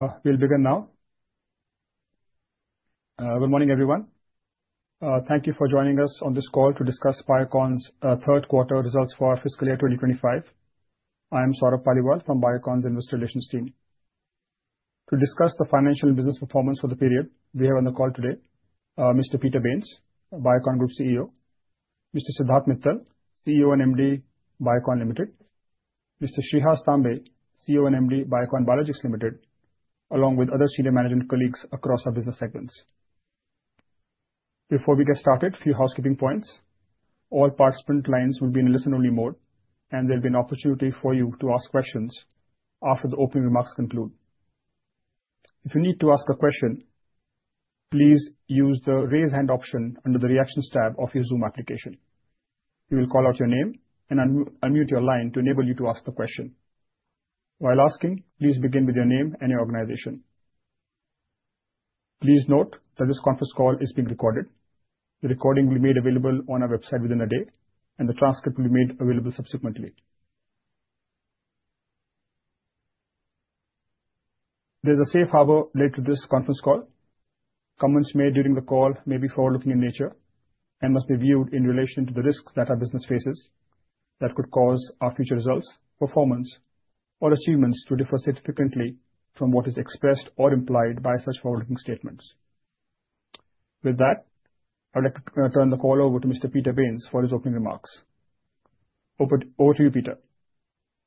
We'll begin now. Good morning, everyone. Thank you for joining us on this call to discuss Biocon's third-quarter results for fiscal year 2025. I am Saurabh Paliwal from Biocon's Investor Relations team. To discuss the financial and business performance for the period we have on the call today, Mr. Peter Bains, Biocon Group CEO, Mr. Siddharth Mittal, CEO and MD, Biocon Limited, Mr. Shreehas Tambe, CEO and MD, Biocon Biologics Limited, along with other senior management colleagues across our business segments. Before we get started, a few housekeeping points. All participant lines will be in a listen-only mode, and there'll be an opportunity for you to ask questions after the opening remarks conclude. If you need to ask a question, please use the raise hand option under the Reactions tab of your Zoom application. We will call out your name and unmute your line to enable you to ask a question. While asking, please begin with your name and your organization. Please note that this conference call is being recorded. The recording will be made available on our website within a day, and the transcript will be made available subsequently. There's a safe harbor related to this conference call. Comments made during the call may be forward-looking in nature and must be viewed in relation to the risks that our business faces that could cause our future results, performance, or achievements to differ significantly from what is expressed or implied by such forward-looking statements. With that, I'd like to turn the call over to Mr. Peter Bains for his opening remarks. Over to you, Peter.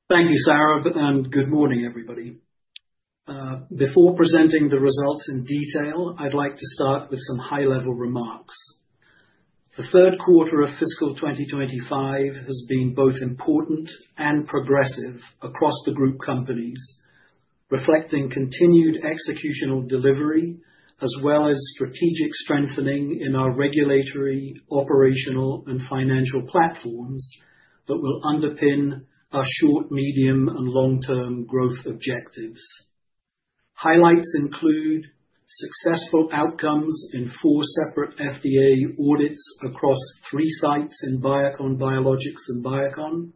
Thank you, Saurabh, and good morning, everybody. Before presenting the results in detail, I'd like to start with some high-level remarks. The third quarter of fiscal 2025 has been both important and progressive across the group companies, reflecting continued executional delivery as well as strategic strengthening in our regulatory, operational, and financial platforms that will underpin our short, medium, and long-term growth objectives. Highlights include successful outcomes in four separate FDA audits across three sites in Biocon Biologics and Biocon,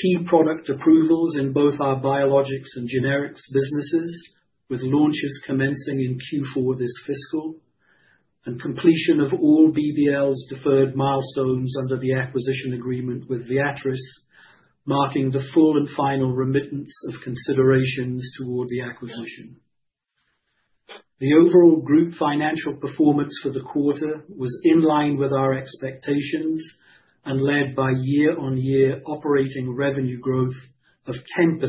key product approvals in both our biologics and Generics businesses, with launches commencing in Q4 this fiscal, and completion of all BBL's deferred milestones under the acquisition agreement with Viatris, marking the full and final remittance of considerations toward the acquisition. The overall group financial performance for the quarter was in line with our expectations and led by year-on-year operating revenue growth of 10%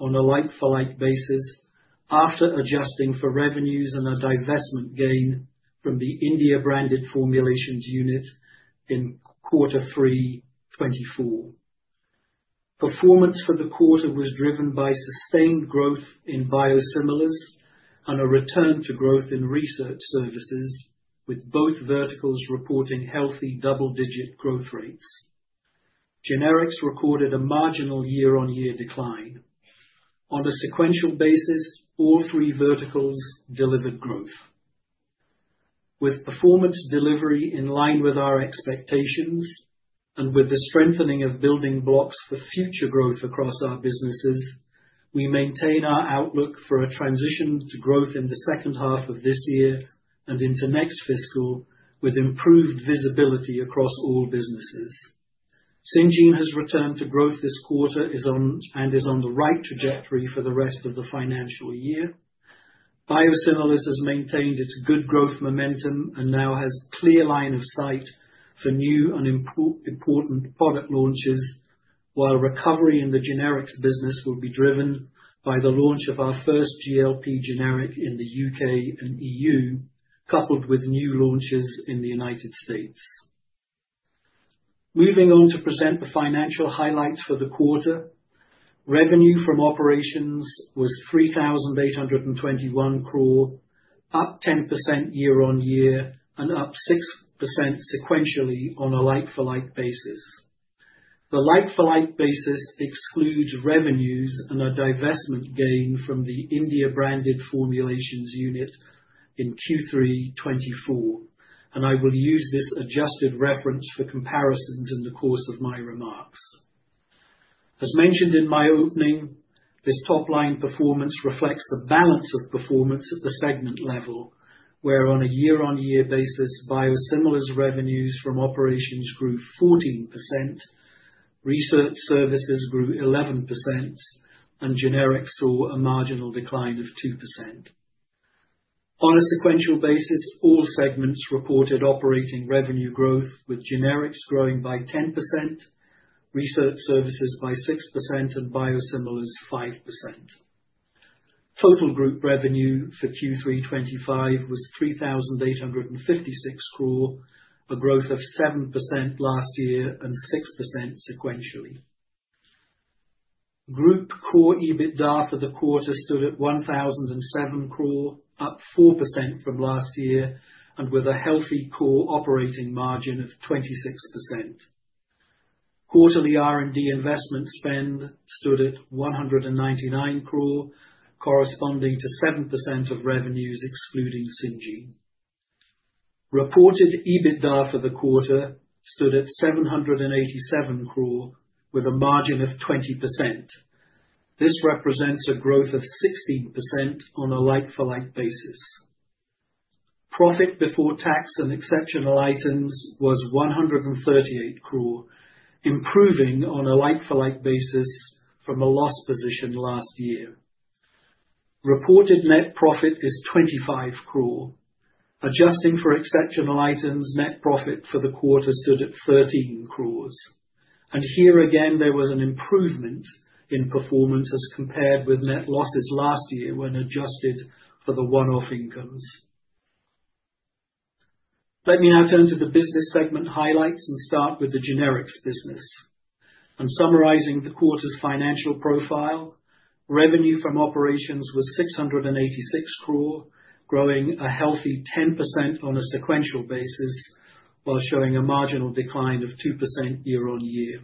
on a like-for-like basis after adjusting for revenues and a divestment gain from the India-branded formulations unit in quarter three 2024. Performance for the quarter was driven by sustained growth in biosimilars and a return to growth in research services, with both verticals reporting healthy double-digit growth rates. Generics recorded a marginal year-on-year decline. On a sequential basis, all three verticals delivered growth. With performance delivery in line with our expectations and with the strengthening of building blocks for future growth across our businesses, we maintain our outlook for a transition to growth in the second half of this year and into next fiscal with improved visibility across all businesses. Syngene has returned to growth this quarter and is on the right trajectory for the rest of the financial year. Biosimilars has maintained its good growth momentum and now has clear line of sight for new and important product launches, while recovery in the Generics business will be driven by the launch of our first GLP generic in the U.K. and EU, coupled with new launches in the United States. Moving on to present the financial highlights for the quarter, revenue from operations was 3,821 crore, up 10% year-on-year and up 6% sequentially on a like-for-like basis. The like-for-like basis excludes revenues and a divestment gain from the India-branded formulations unit in Q3 2024, and I will use this adjusted reference for comparisons in the course of my remarks. As mentioned in my opening, this top-line performance reflects the balance of performance at the segment level, where on a year-on-year basis, biosimilars revenues from operations grew 14%, research services grew 11%, and generics saw a marginal decline of 2%. On a sequential basis, all segments reported operating revenue growth, with generics growing by 10%, Research Services by 6%, and Biosimilars 5%. Total group revenue for Q3 2025 was 3,856 crore, a growth of 7% last year and 6% sequentially. Group core EBITDA for the quarter stood at 1,007 crore, up 4% from last year, and with a healthy core operating margin of 26%. Quarterly R&D investment spend stood at 199 crore, corresponding to 7% of revenues excluding Syngene. Reported EBITDA for the quarter stood at 787 crore, with a margin of 20%. This represents a growth of 16% on a like-for-like basis. Profit before tax and exceptional items was 138 crore, improving on a like-for-like basis from a loss position last year. Reported net profit is 25 crore. Adjusting for exceptional items, net profit for the quarter stood at 13 crores. And here again, there was an improvement in performance as compared with net losses last year when adjusted for the one-off incomes. Let me now turn to the business segment highlights and start with the Generics business. In summarizing the quarter's financial profile, revenue from operations was 686 crore, growing a healthy 10% on a sequential basis while showing a marginal decline of 2% year-on-year.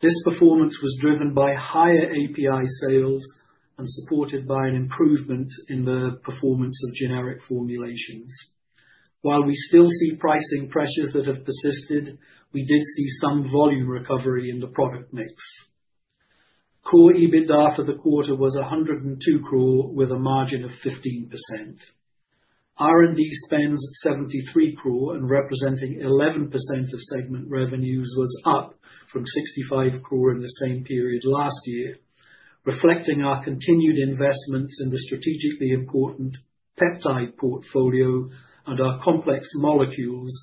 This performance was driven by higher API sales and supported by an improvement in the performance of generic formulations. While we still see pricing pressures that have persisted, we did see some volume recovery in the product mix. Core EBITDA for the quarter was 102 crore, with a margin of 15%. R&D spends at 73 crore, and representing 11% of segment revenues, was up from 65 crore in the same period last year, reflecting our continued investments in the strategically important peptide portfolio and our complex molecules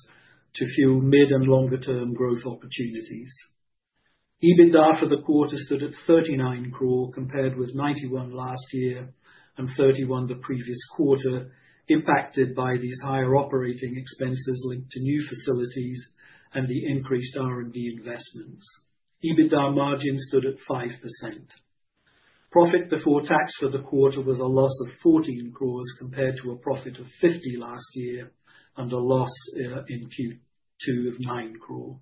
to fuel mid- and longer-term growth opportunities. EBITDA for the quarter stood at 39 crore, compared with 91 last year and 31 crore the previous quarter, impacted by these higher operating expenses linked to new facilities and the increased R&D investments. EBITDA margin stood at 5%. Profit before tax for the quarter was a loss of 14 crore compared to a profit of 50 crore last year and a loss in Q2 of 9 crore.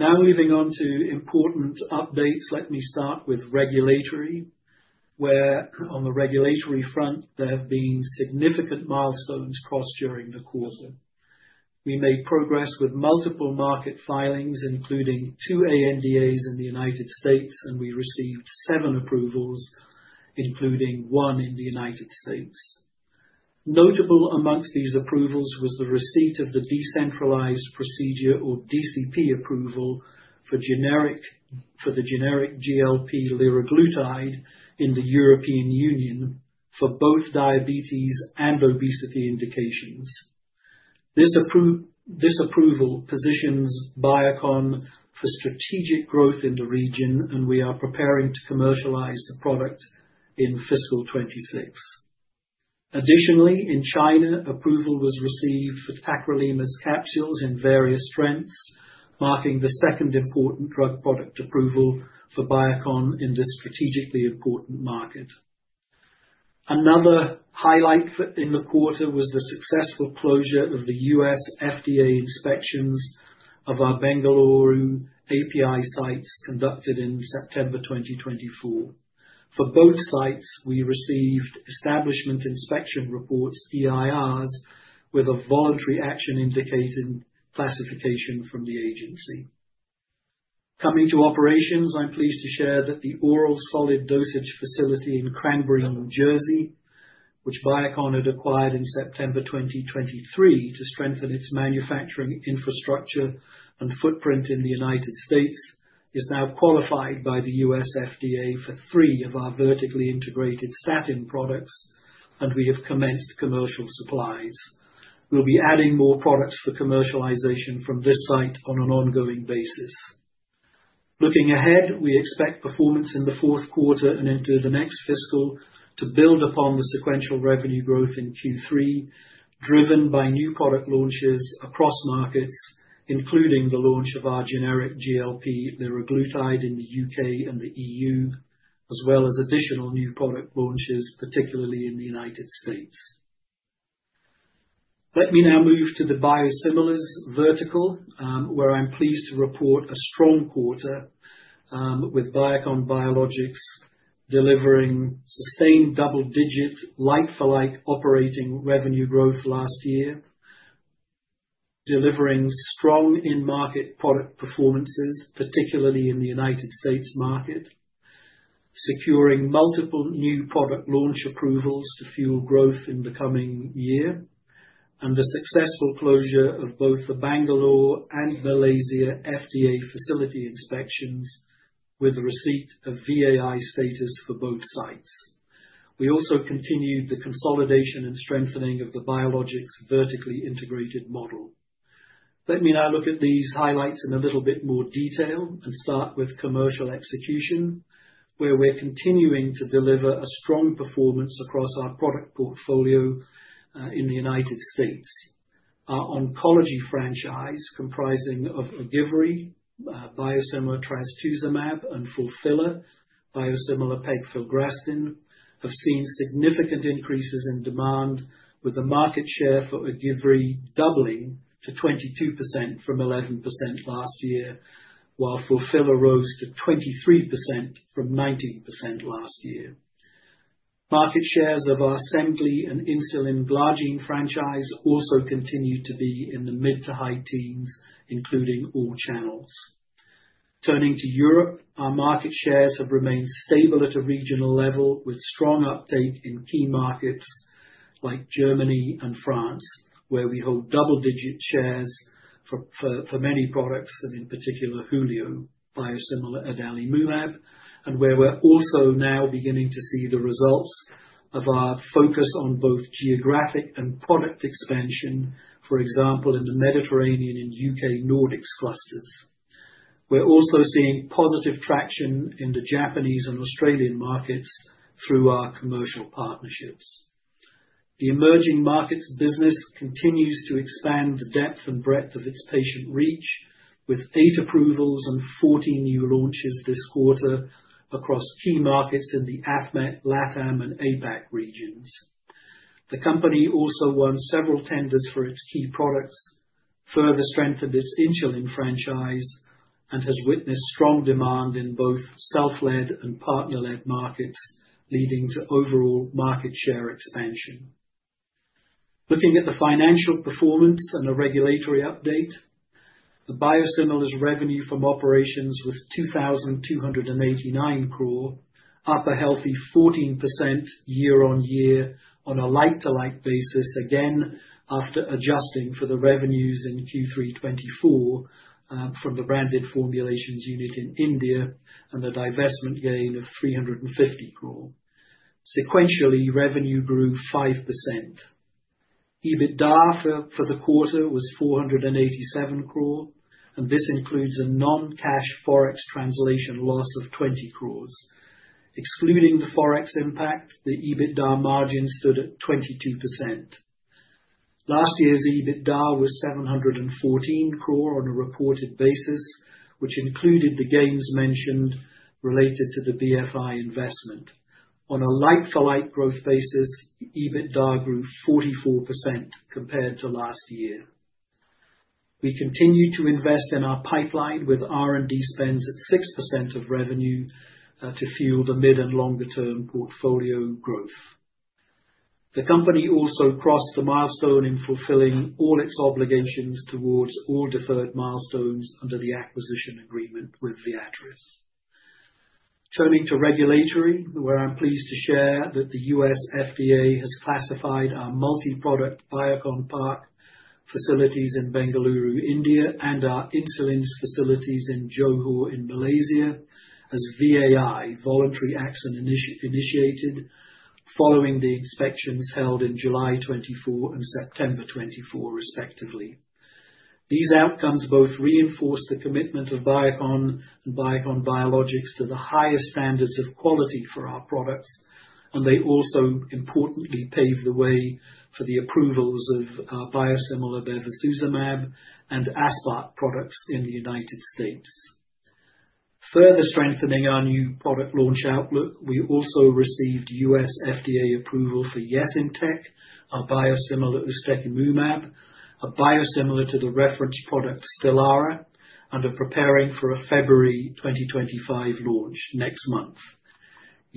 Now moving on to important updates, let me start with regulatory, where on the regulatory front, there have been significant milestones crossed during the quarter. We made progress with multiple market filings, including two ANDAs in the United States, and we received seven approvals, including one in the United States. Notable amongst these approvals was the receipt of the Decentralized Procedure or DCP approval for the generic GLP-1 liraglutide in the European Union for both diabetes and obesity indications. This approval positions Biocon for strategic growth in the region, and we are preparing to commercialize the product in fiscal 2026. Additionally, in China, approval was received for tacrolimus capsules in various strengths, marking the second important drug product approval for Biocon in this strategically important market. Another highlight in the quarter was the successful closure of the U.S. FDA inspections of our Bengaluru API sites conducted in September 2024. For both sites, we received Establishment Inspection Reports, EIRs, with a Voluntary Action Indicated classification from the agency. Coming to operations, I'm pleased to share that the Oral Solid Dosage Facility in Cranbury, New Jersey, which Biocon had acquired in September 2023 to strengthen its manufacturing infrastructure and footprint in the United States, is now qualified by the U.S. FDA for three of our vertically integrated statin products, and we have commenced commercial supplies. We'll be adding more products for commercialization from this site on an ongoing basis. Looking ahead, we expect performance in the fourth quarter and into the next fiscal to build upon the sequential revenue growth in Q3, driven by new product launches across markets, including the launch of our generic GLP liraglutide in the U.K. and the EU, as well as additional new product launches, particularly in the United States. Let me now move to the biosimilars vertical, where I'm pleased to report a strong quarter with Biocon Biologics delivering sustained double-digit like-for-like operating revenue growth last year, delivering strong in-market product performances, particularly in the United States market, securing multiple new product launch approvals to fuel growth in the coming year, and the successful closure of both the Bengaluru and Malaysia FDA facility inspections with the receipt of VAI status for both sites. We also continued the consolidation and strengthening of the biologics vertically integrated model. Let me now look at these highlights in a little bit more detail and start with commercial execution, where we're continuing to deliver a strong performance across our product portfolio in the United States. Our oncology franchise, comprising of Ogivri, biosimilar Trastuzumab, and Fulphila, biosimilar Pegfilgrastim, have seen significant increases in demand, with the market share for Ogivri doubling to 22% from 11% last year, while Fulphila rose to 23% from 19% last year. Market shares of our Semglee and Insulin Glargine franchise also continue to be in the mid to high teens, including all channels. Turning to Europe, our market shares have remained stable at a regional level, with strong uptake in key markets like Germany and France, where we hold double-digit shares for many products, and in particular, Hulio biosimilar Adalimumab, and where we're also now beginning to see the results of our focus on both geographic and product expansion, for example, in the Mediterranean and U.K. Nordics clusters. We're also seeing positive traction in the Japanese and Australian markets through our commercial partnerships. The emerging markets business continues to expand the depth and breadth of its patient reach, with eight approvals and 14 new launches this quarter across key markets in the AFMET, LATAM, and APAC regions. The company also won several tenders for its key products, further strengthened its insulin franchise, and has witnessed strong demand in both self-led and partner-led markets, leading to overall market share expansion. Looking at the financial performance and a regulatory update, the biosimilars revenue from operations was 2,289 crore, up a healthy 14% year-on-year on a like-to-like basis, again after adjusting for the revenues in Q3 2024 from the branded formulations unit in India and the divestment gain of 350 crore. Sequentially, revenue grew 5%. EBITDA for the quarter was 487 crore, and this includes a non-cash forex translation loss of 20 crores. Excluding the forex impact, the EBITDA margin stood at 22%. Last year's EBITDA was 714 crore on a reported basis, which included the gains mentioned related to the BFI investment. On a like-for-like growth basis, EBITDA grew 44% compared to last year. We continue to invest in our pipeline with R&D spends at 6% of revenue to fuel the mid- and longer-term portfolio growth. The company also crossed the milestone in fulfilling all its obligations towards all deferred milestones under the acquisition agreement with Viatris. Turning to regulatory, where I'm pleased to share that the U.S. FDA has classified our multi-product Biocon Park facilities in Bengaluru, India, and our insulin facilities in Johor in Malaysia as VAI, Voluntary Action Indicated following the inspections held in July 2024 and September 2024, respectively. These outcomes both reinforce the commitment of Biocon and Biocon Biologics to the highest standards of quality for our products, and they also importantly pave the way for the approvals of biosimilar Bevacizumab and Aspart products in the United States. Further strengthening our new product launch outlook, we also received U.S. FDA approval for Yesintek, our biosimilar Ustekinumab, a biosimilar to the reference product Stelara, and are preparing for a February 2025 launch next month.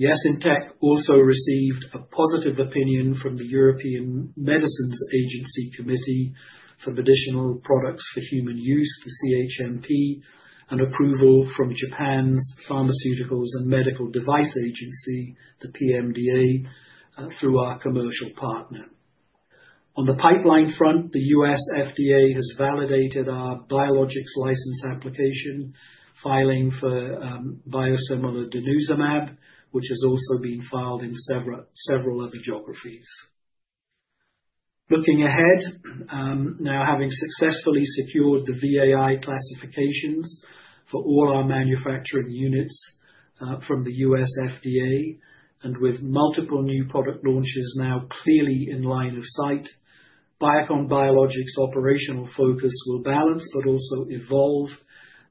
Yesintek also received a positive opinion from the European Medicines Agency Committee for Medicinal Products for Human Use, the CHMP, and approval from Japan's Pharmaceuticals and Medical Devices Agency, the PMDA, through our commercial partner. On the pipeline front, the U.S. FDA has validated our Biologics License Application filing for biosimilar Denosumab, which has also been filed in several other geographies. Looking ahead, now having successfully secured the VAI classifications for all our manufacturing units from the U.S. FDA, and with multiple new product launches now clearly in line of sight, Biocon Biologics' operational focus will balance but also evolve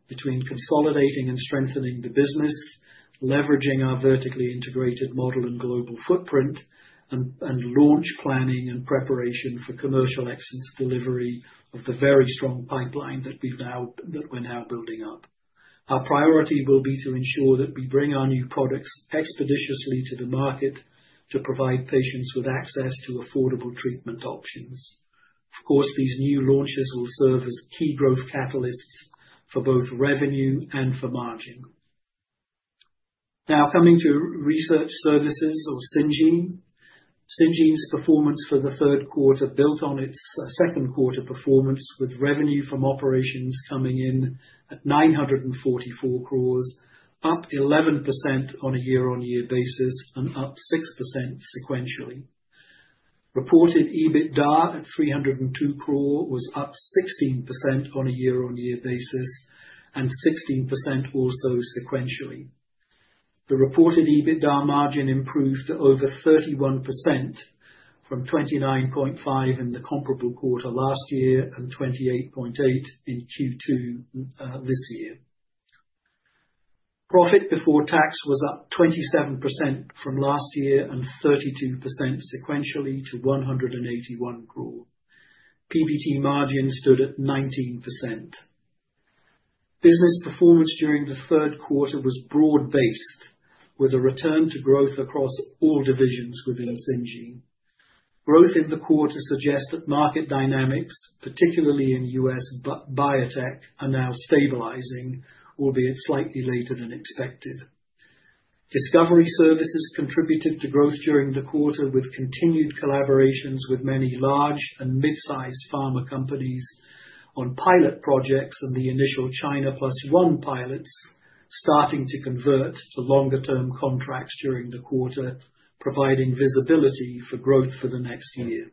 between consolidating and strengthening the business, leveraging our vertically integrated model and global footprint, and launch planning and preparation for commercial excellence delivery of the very strong pipeline that we're now building up. Our priority will be to ensure that we bring our new products expeditiously to the market to provide patients with access to affordable treatment options. Of course, these new launches will serve as key growth catalysts for both revenue and for margin. Now coming to research services or Syngene, Syngene's performance for the third quarter built on its second quarter performance, with revenue from operations coming in at 944 crore, up 11% on a year-on-year basis and up 6% sequentially. Reported EBITDA at 302 crore was up 16% on a year-on-year basis and 16% also sequentially. The reported EBITDA margin improved to over 31% from 29.5% in the comparable quarter last year and 28.8% in Q2 this year. Profit before tax was up 27% from last year and 32% sequentially to 181 crore. PBT margin stood at 19%. Business performance during the third quarter was broad-based, with a return to growth across all divisions within Syngene. Growth in the quarter suggests that market dynamics, particularly in US biotech, are now stabilizing, albeit slightly later than expected. Discovery services contributed to growth during the quarter, with continued collaborations with many large and mid-sized pharma companies on pilot projects and the initial China+1 pilots, starting to convert to longer-term contracts during the quarter, providing visibility for growth for the next year.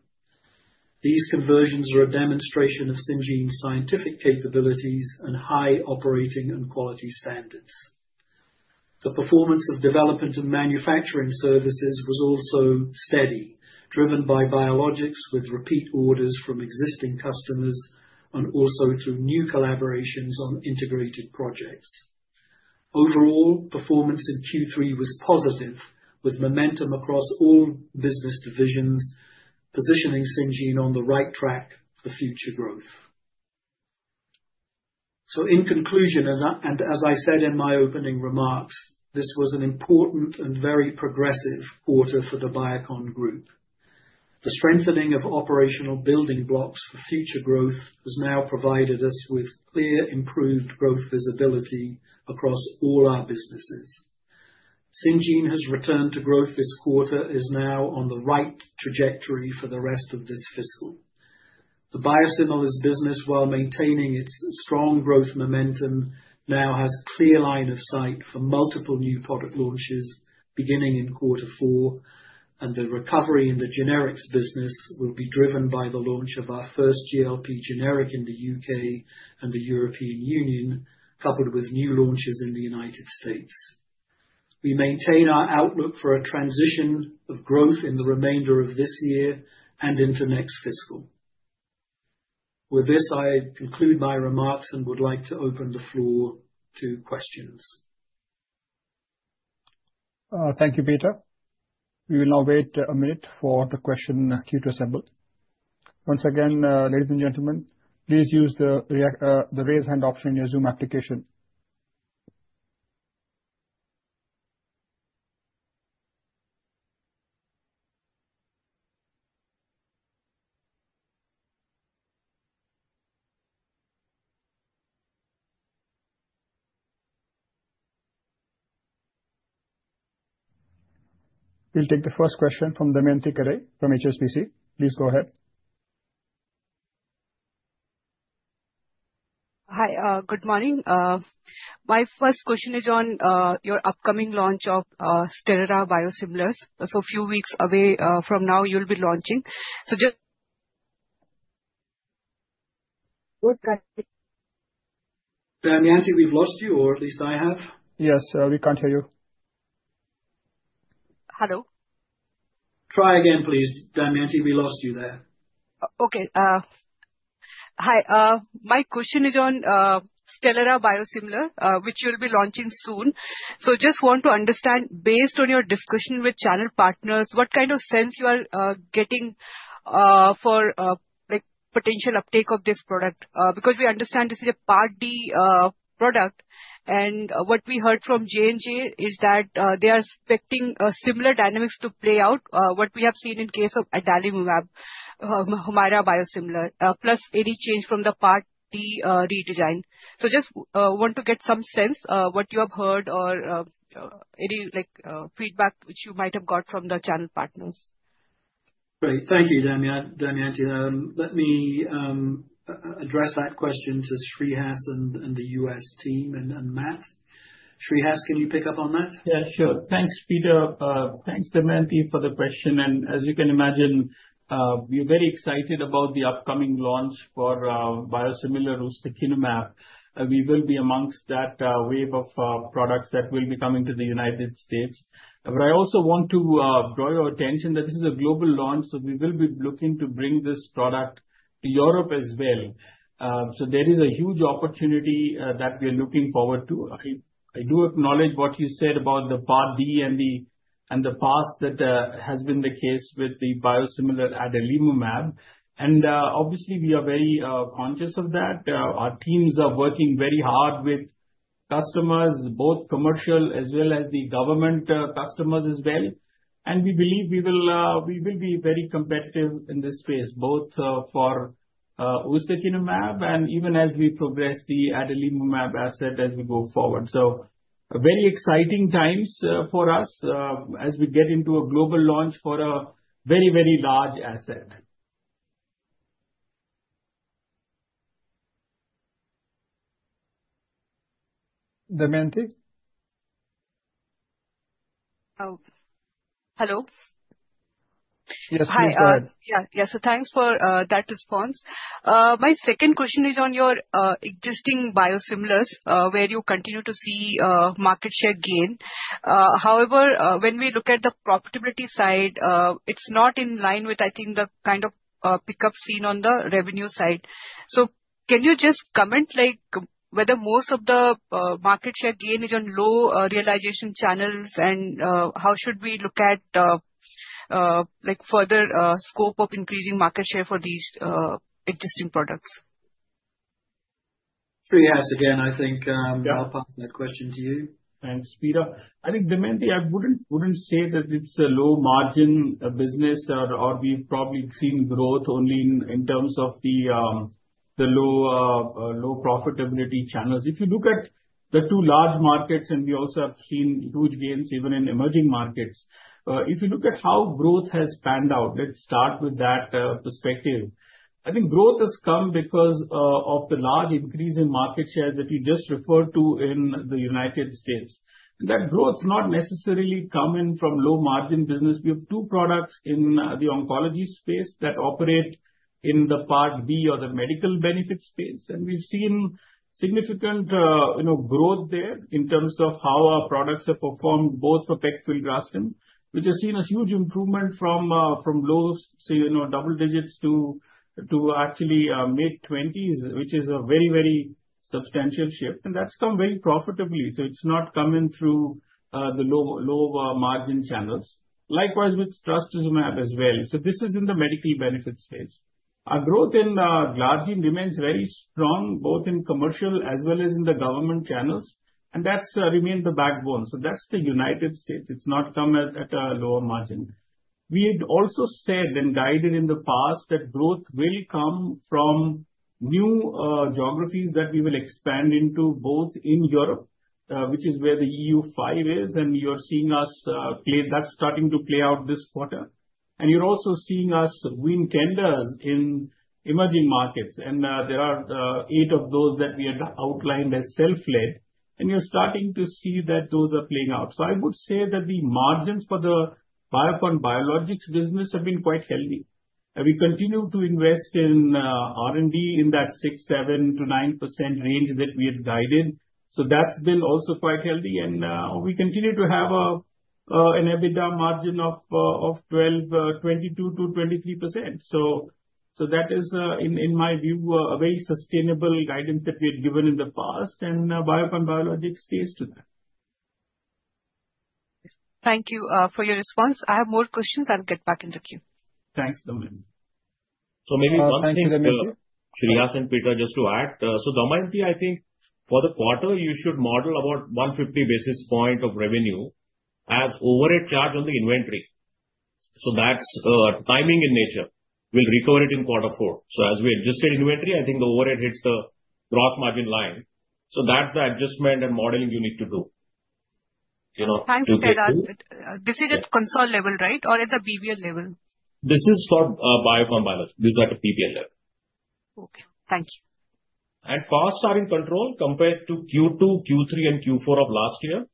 These conversions are a demonstration of Syngene's scientific capabilities and high operating and quality standards. The performance of development and manufacturing services was also steady, driven by biologics with repeat orders from existing customers and also through new collaborations on integrated projects. Overall, performance in Q3 was positive, with momentum across all business divisions, positioning Syngene on the right track for future growth. So, in conclusion, and as I said in my opening remarks, this was an important and very progressive quarter for the Biocon Group. The strengthening of operational building blocks for future growth has now provided us with clear improved growth visibility across all our businesses. Syngene has returned to growth this quarter and is now on the right trajectory for the rest of this fiscal. The biosimilars business, while maintaining its strong growth momentum, now has clear line of sight for multiple new product launches beginning in quarter four, and the recovery in the Generics business will be driven by the launch of our first GLP generic in the U.K. and the European Union, coupled with new launches in the United States. We maintain our outlook for a transition of growth in the remainder of this year and into next fiscal. With this, I conclude my remarks and would like to open the floor to questions. Thank you, Peter. We will now wait a minute for the question queue to assemble. Once again, ladies and gentlemen, please use the raise hand option in your Zoom application. We'll take the first question from Damayanti Kerai from HSBC. Please go ahead. Hi, good morning. My first question is on your upcoming launch of Stelara biosimilars. So, a few weeks away from now, you'll be launching. So, just. We can't. Damayanti, we've lost you, or at least I have. Yes, we can't hear you. Hello. Try again, please. Damayanti, we lost you there. Okay. Hi, my question is on Stelara biosimilar, which you'll be launching soon. So, just want to understand, based on your discussion with channel partners, what kind of sense you are getting for potential uptake of this product? Because we understand this is a Part D product, and what we heard from J&J is that they are expecting similar dynamics to play out, what we have seen in the case of Adalimumab, Humira biosimilar, plus any change from the Part D redesign. So, just want to get some sense of what you have heard or any feedback which you might have got from the channel partners. Great. Thank you, Damayanti. Let me address that question to Shreehas and the U.S. team and Matt. Shreehas, can you pick up on that? Yeah, sure. Thanks, Peter. Thanks, Damayanti, for the question. And as you can imagine, we're very excited about the upcoming launch for biosimilar Ustekinumab. We will be amongst that wave of products that will be coming to the United States. But I also want to draw your attention that this is a global launch, so we will be looking to bring this product to Europe as well. So, there is a huge opportunity that we are looking forward to. I do acknowledge what you said about the Part D and the past that has been the case with the biosimilar Adalimumab. And obviously, we are very conscious of that. Our teams are working very hard with customers, both commercial as well as the government customers as well. And we believe we will be very competitive in this space, both for Ustekinumab and even as we progress the Adalimumab asset as we go forward. So, very exciting times for us as we get into a global launch for a very, very large asset. Damayanti. Hello. Yes, we heard. Yeah, yeah. So, thanks for that response. My second question is on your existing biosimilars, where you continue to see market share gain. However, when we look at the profitability side, it's not in line with, I think, the kind of pickup seen on the revenue side. So, can you just comment whether most of the market share gain is on low realization channels, and how should we look at further scope of increasing market share for these existing products? Shreehas, again, I think I'll pass that question to you. Thanks, Peter. I think, Damayanti, I wouldn't say that it's a low margin business, or we've probably seen growth only in terms of the low profitability channels. If you look at the two large markets, and we also have seen huge gains even in emerging markets, if you look at how growth has panned out, let's start with that perspective. I think growth has come because of the large increase in market share that you just referred to in the United States. That growth has not necessarily come in from low margin business. We have two products in the oncology space that operate in the Part B or the medical benefit space, and we've seen significant growth there in terms of how our products have performed, both for Pegfilgrastim, which has seen a huge improvement from low double digits to actually mid-20s, which is a very, very substantial shift. And that's come very profitably. So, it's not come in through the low margin channels. Likewise, with Trastuzumab as well. So, this is in the medical benefit space. Our growth in Glargine remains very strong, both in commercial as well as in the government channels, and that's remained the backbone. So, that's the United States. It's not come at a lower margin. We had also said and guided in the past that growth will come from new geographies that we will expand into, both in Europe, which is where the EU 5 is, and you're seeing that play out that's starting to play out this quarter, and you're also seeing us win tenders in emerging markets, and there are eight of those that we had outlined as self-led, and you're starting to see that those are playing out, so I would say that the margins for the Biocon Biologics business have been quite healthy. We continue to invest in R&D in that 6%, 7%-9% range that we had guided, so that's been also quite healthy, and we continue to have an EBITDA margin of 22%-23%. That is, in my view, a very sustainable guidance that we had given in the past, and Biocon Biologics stays to that. Thank you for your response. I have more questions. I'll get back into the queue. Thanks, Damayanti. Maybe one thing, Shreehas and Peter, just to add. Damayanti, I think for the quarter, you should model about 150 basis points of revenue as overhead charge on the inventory. That's timing in nature. We'll recover it in quarter four. As we adjusted inventory, I think the overhead hits the gross margin line. That's the adjustment and modeling you need to do. Thanks, Kedar. This is at consol level, right? Or at the BBL level? This is for Biocon Biologics. This is at the BBL level. Okay. Thank you. And costs are in control compared to Q2, Q3, and Q4 of last year.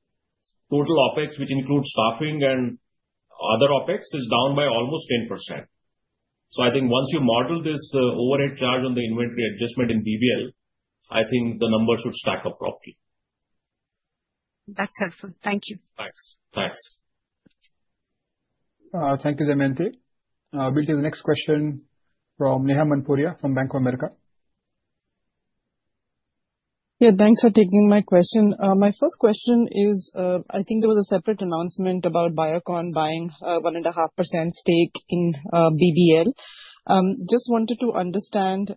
Total OpEx, which includes staffing and other OpEx, is down by almost 10%. So, I think once you model this overhead charge on the inventory adjustment in BBL, I think the numbers should stack up properly. That's helpful. Thank you. Thanks. Thank you, Damayanti. We'll take the next question from Neha Manpuria from Bank of America. Yeah, thanks for taking my question. My first question is, I think there was a separate announcement about Biocon buying a 1.5% stake in BBL. Just wanted to understand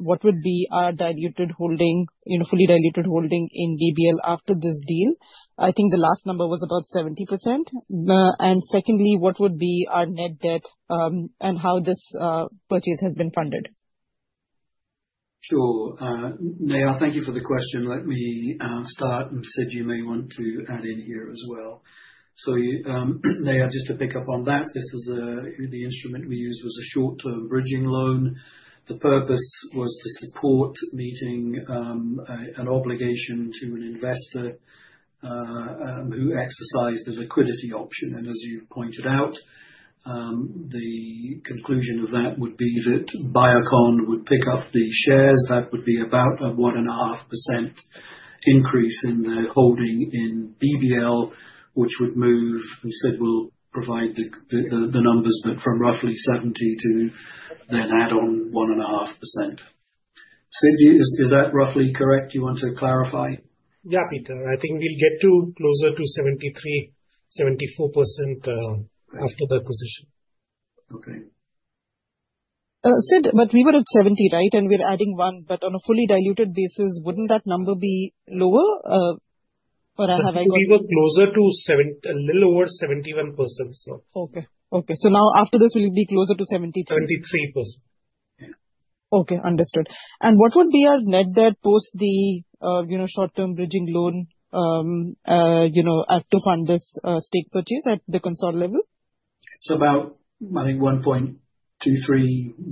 what would be our diluted holding, fully diluted holding in BBL after this deal. I think the last number was about 70%. And secondly, what would be our net debt and how this purchase has been funded? Sure. Neha, thank you for the question. Let me start and Saurabh you may want to add in here as well. Neha, just to pick up on that, this is the instrument we used was a short-term bridging loan. The purpose was to support meeting an obligation to an investor who exercised a liquidity option. And as you've pointed out, the conclusion of that would be that Biocon would pick up the shares. That would be about a 1.5% increase in the holding in BBL, which would move, as I said, we'll provide the numbers, but from roughly 70% to then add on 1.5%. Sid, is that roughly correct? Do you want to clarify? Yeah, Peter. I think we'll get closer to 73%-74% after the acquisition. Okay. Sid, but we were at 70%, right? And we're adding one, but on a fully diluted basis, wouldn't that number be lower? Or have I got? We were closer to a little over 71%, so. Okay. Okay. So now after this, will it be closer to 73%? Okay. Understood. And what would be our net debt post the short-term bridging loan to fund this stake purchase at the consolidated level? It's about, I think, $1.23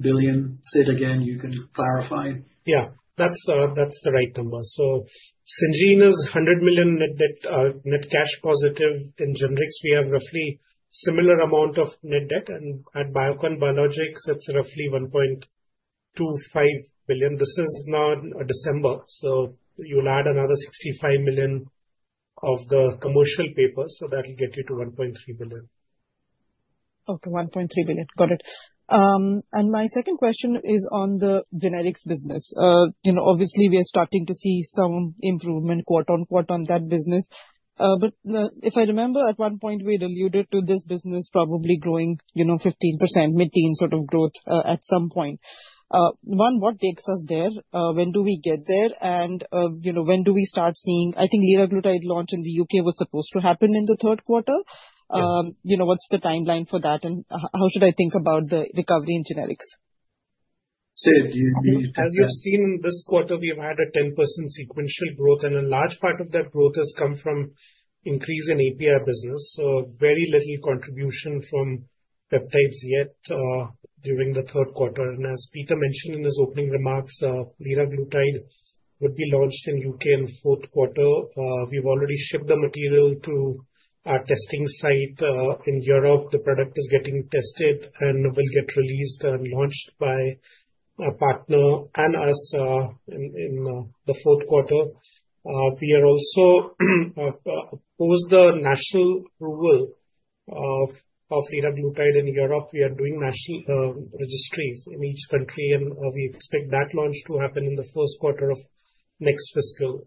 billion. Sid, again, you can clarify. Yeah, that's the right number. So, Syngene is $100 million net cash positive. In Generics, we have roughly a similar amount of net debt. And at Biocon Biologics, it's roughly $1.25 billion. This is now December. So, you'll add another $65 million of the commercial papers, so that'll get you to $1.3 billion. Okay. $1.3 billion. Got it. And my second question is on the Generics business. Obviously, we are starting to see some improvement quarter on quarter on that business. But if I remember, at one point, we guided to this business probably growing 15%, mid-teens sort of growth at some point. One, what takes us there? When do we get there? And when do we start seeing? I think Liraglutide launch in the U.K. was supposed to happen in the third quarter. What's the timeline for that? And how should I think about the recovery in generics? Sid, do you want to pick that. As you've seen in this quarter, we've had a 10% sequential growth, and a large part of that growth has come from increase in API business. So, very little contribution from peptides yet during the third quarter. And as Peter mentioned in his opening remarks, Liraglutide would be launched in U.K. in the fourth quarter. We've already shipped the material to our testing site in Europe. The product is getting tested and will get released and launched by a partner and us in the fourth quarter. We have also posted the national approval of Liraglutide in Europe. We are doing national registries in each country, and we expect that launch to happen in the first quarter of next fiscal.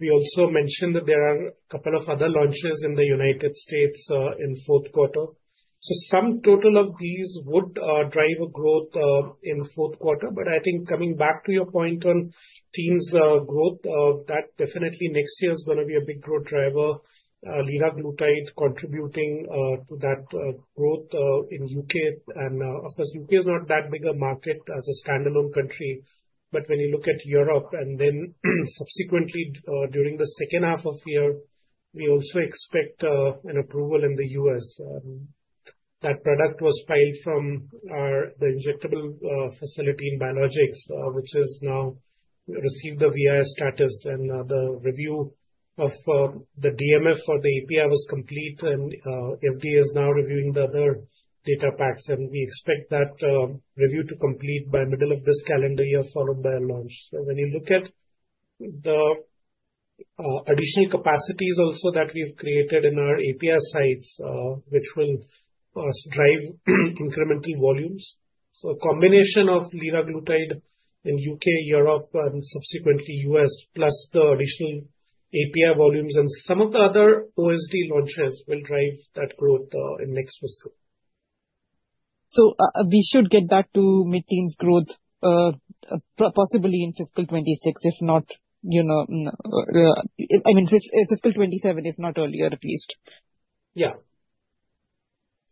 We also mentioned that there are a couple of other launches in the United States in the fourth quarter. So, some total of these would drive a growth in the fourth quarter. But I think coming back to your point on teams' growth, that definitely next year is going to be a big growth driver, Liraglutide contributing to that growth in the U.K. And of course, U.K. is not that big a market as a standalone country. But when you look at Europe and then subsequently during the second half of year, we also expect an approval in the U.S. That product was filed from the injectable facility in Biologics, which has now received the VAI status. And the review of the DMF for the API was complete, and FDA is now reviewing the other data packs. And we expect that review to complete by middle of this calendar year, followed by a launch. So, when you look at the additional capacities also that we've created in our API sites, which will drive incremental volumes. So, a combination of liraglutide in the U.K., Europe, and subsequently the U.S., plus the additional API volumes and some of the other OSD launches will drive that growth in next fiscal. So, we should get back to mid-teens growth possibly in fiscal 2026, if not, I mean, fiscal 2027, if not earlier at least. Yeah.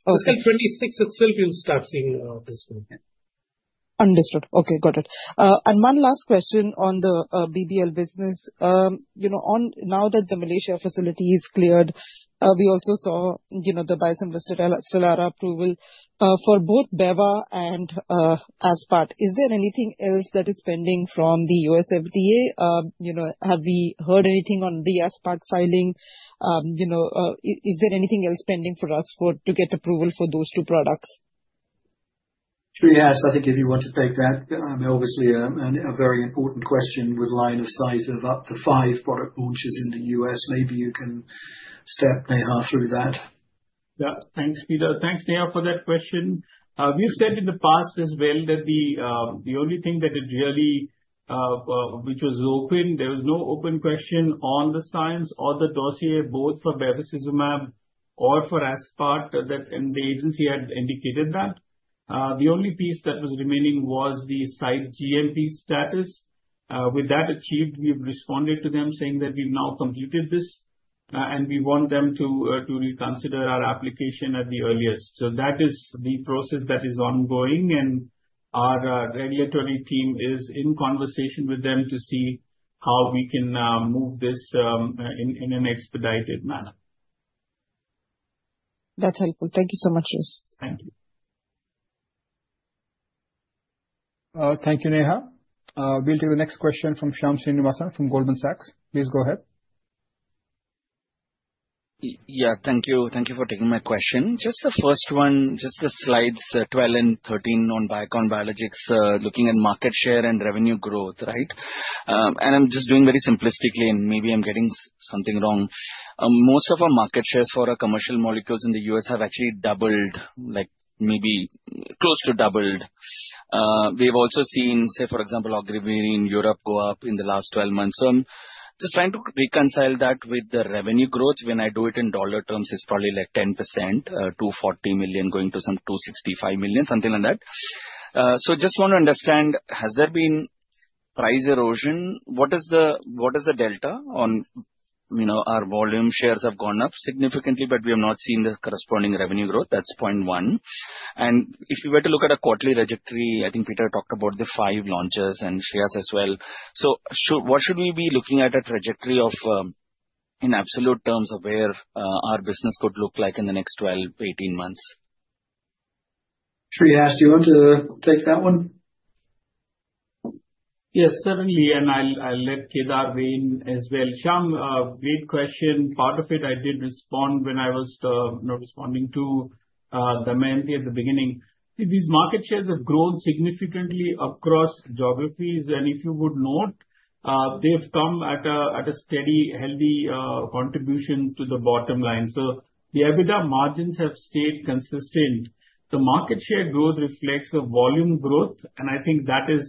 Fiscal 2026 itself, you'll start seeing fiscal. Understood. Okay. Got it. And one last question on the BBL business. Now that the Malaysia facility is cleared, we also saw the biosimilar, Stelara, approva for both Beva and Aspart. Is there anything else that is pending from the U.S. FDA? Have we heard anything on the Aspart filing? Is there anything else pending for us to get approval for those two products? Shreehas. Yes. I think if you want to take that, obviously a very important question with line of sight of up to five product launches in the U.S. Maybe you can step Neha through that. Yeah. Thanks, Peter. Thanks, Neha, for that question. We've said in the past as well that the only thing that it really which was open, there was no open question on the science or the dossier, both for Bevacizumab or for Aspart, that the agency had indicated that. The only piece that was remaining was the site GMP status. With that achieved, we've responded to them saying that we've now completed this, and we want them to reconsider our application at the earliest. So, that is the process that is ongoing, and our regulatory team is in conversation with them to see how we can move this in an expedited manner. That's helpful. Thank you so much, Shreehas. Thank you. Thank you, Neha. We'll take the next question from Shyam Srinivasan from Goldman Sachs. Please go ahead. Yeah. Thank you. Thank you for taking my question. Just the first one, just the slides 12 and 13 on Biocon Biologics, looking at market share and revenue growth, right? And I'm just doing very simplistically, and maybe I'm getting something wrong. Most of our market shares for our commercial molecules in the US have actually doubled, maybe close to doubled. We've also seen, say, for example, Ogivri in Europe go up in the last 12 months. So, I'm just trying to reconcile that with the revenue growth. When I do it in dollar terms, it's probably like 10%, $240 million going to some $265 million, something like that. So, I just want to understand, has there been price erosion? What is the delta on our volume? Shares have gone up significantly, but we have not seen the corresponding revenue growth. That's point one. And if you were to look at a quarterly trajectory, I think Peter talked about the five launches and Shreehas as well. So, what should we be looking at a trajectory of in absolute terms of where our business could look like in the next 12 to 18 months? Shreehas, do you want to take that one? Yes, certainly. And I'll let Kedar join as well. Shyam, great question. Part of it I did respond when I was responding to Damayanti at the beginning. These market shares have grown significantly across geographies, and if you would note, they've come at a steady, healthy contribution to the bottom line, so the EBITDA margins have stayed consistent. The market share growth reflects a volume growth, and I think that is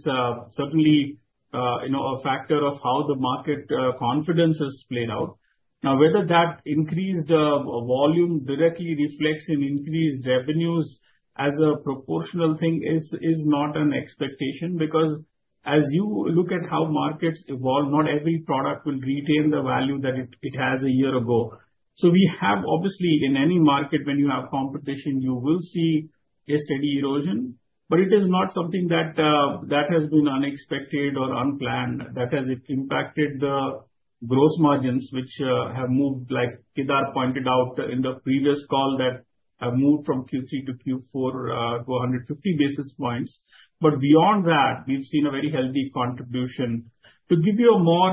certainly a factor of how the market confidence has played out. Now, whether that increased volume directly reflects in increased revenues as a proportional thing is not an expectation because as you look at how markets evolve, not every product will retain the value that it has a year ago, so we have obviously in any market, when you have competition, you will see a steady erosion. But it is not something that has been unexpected or unplanned that has impacted the gross margins, which have moved, like Kedar pointed out in the previous call, that have moved from Q3 to Q4 to 150 basis points. But beyond that, we've seen a very healthy contribution. To give you a more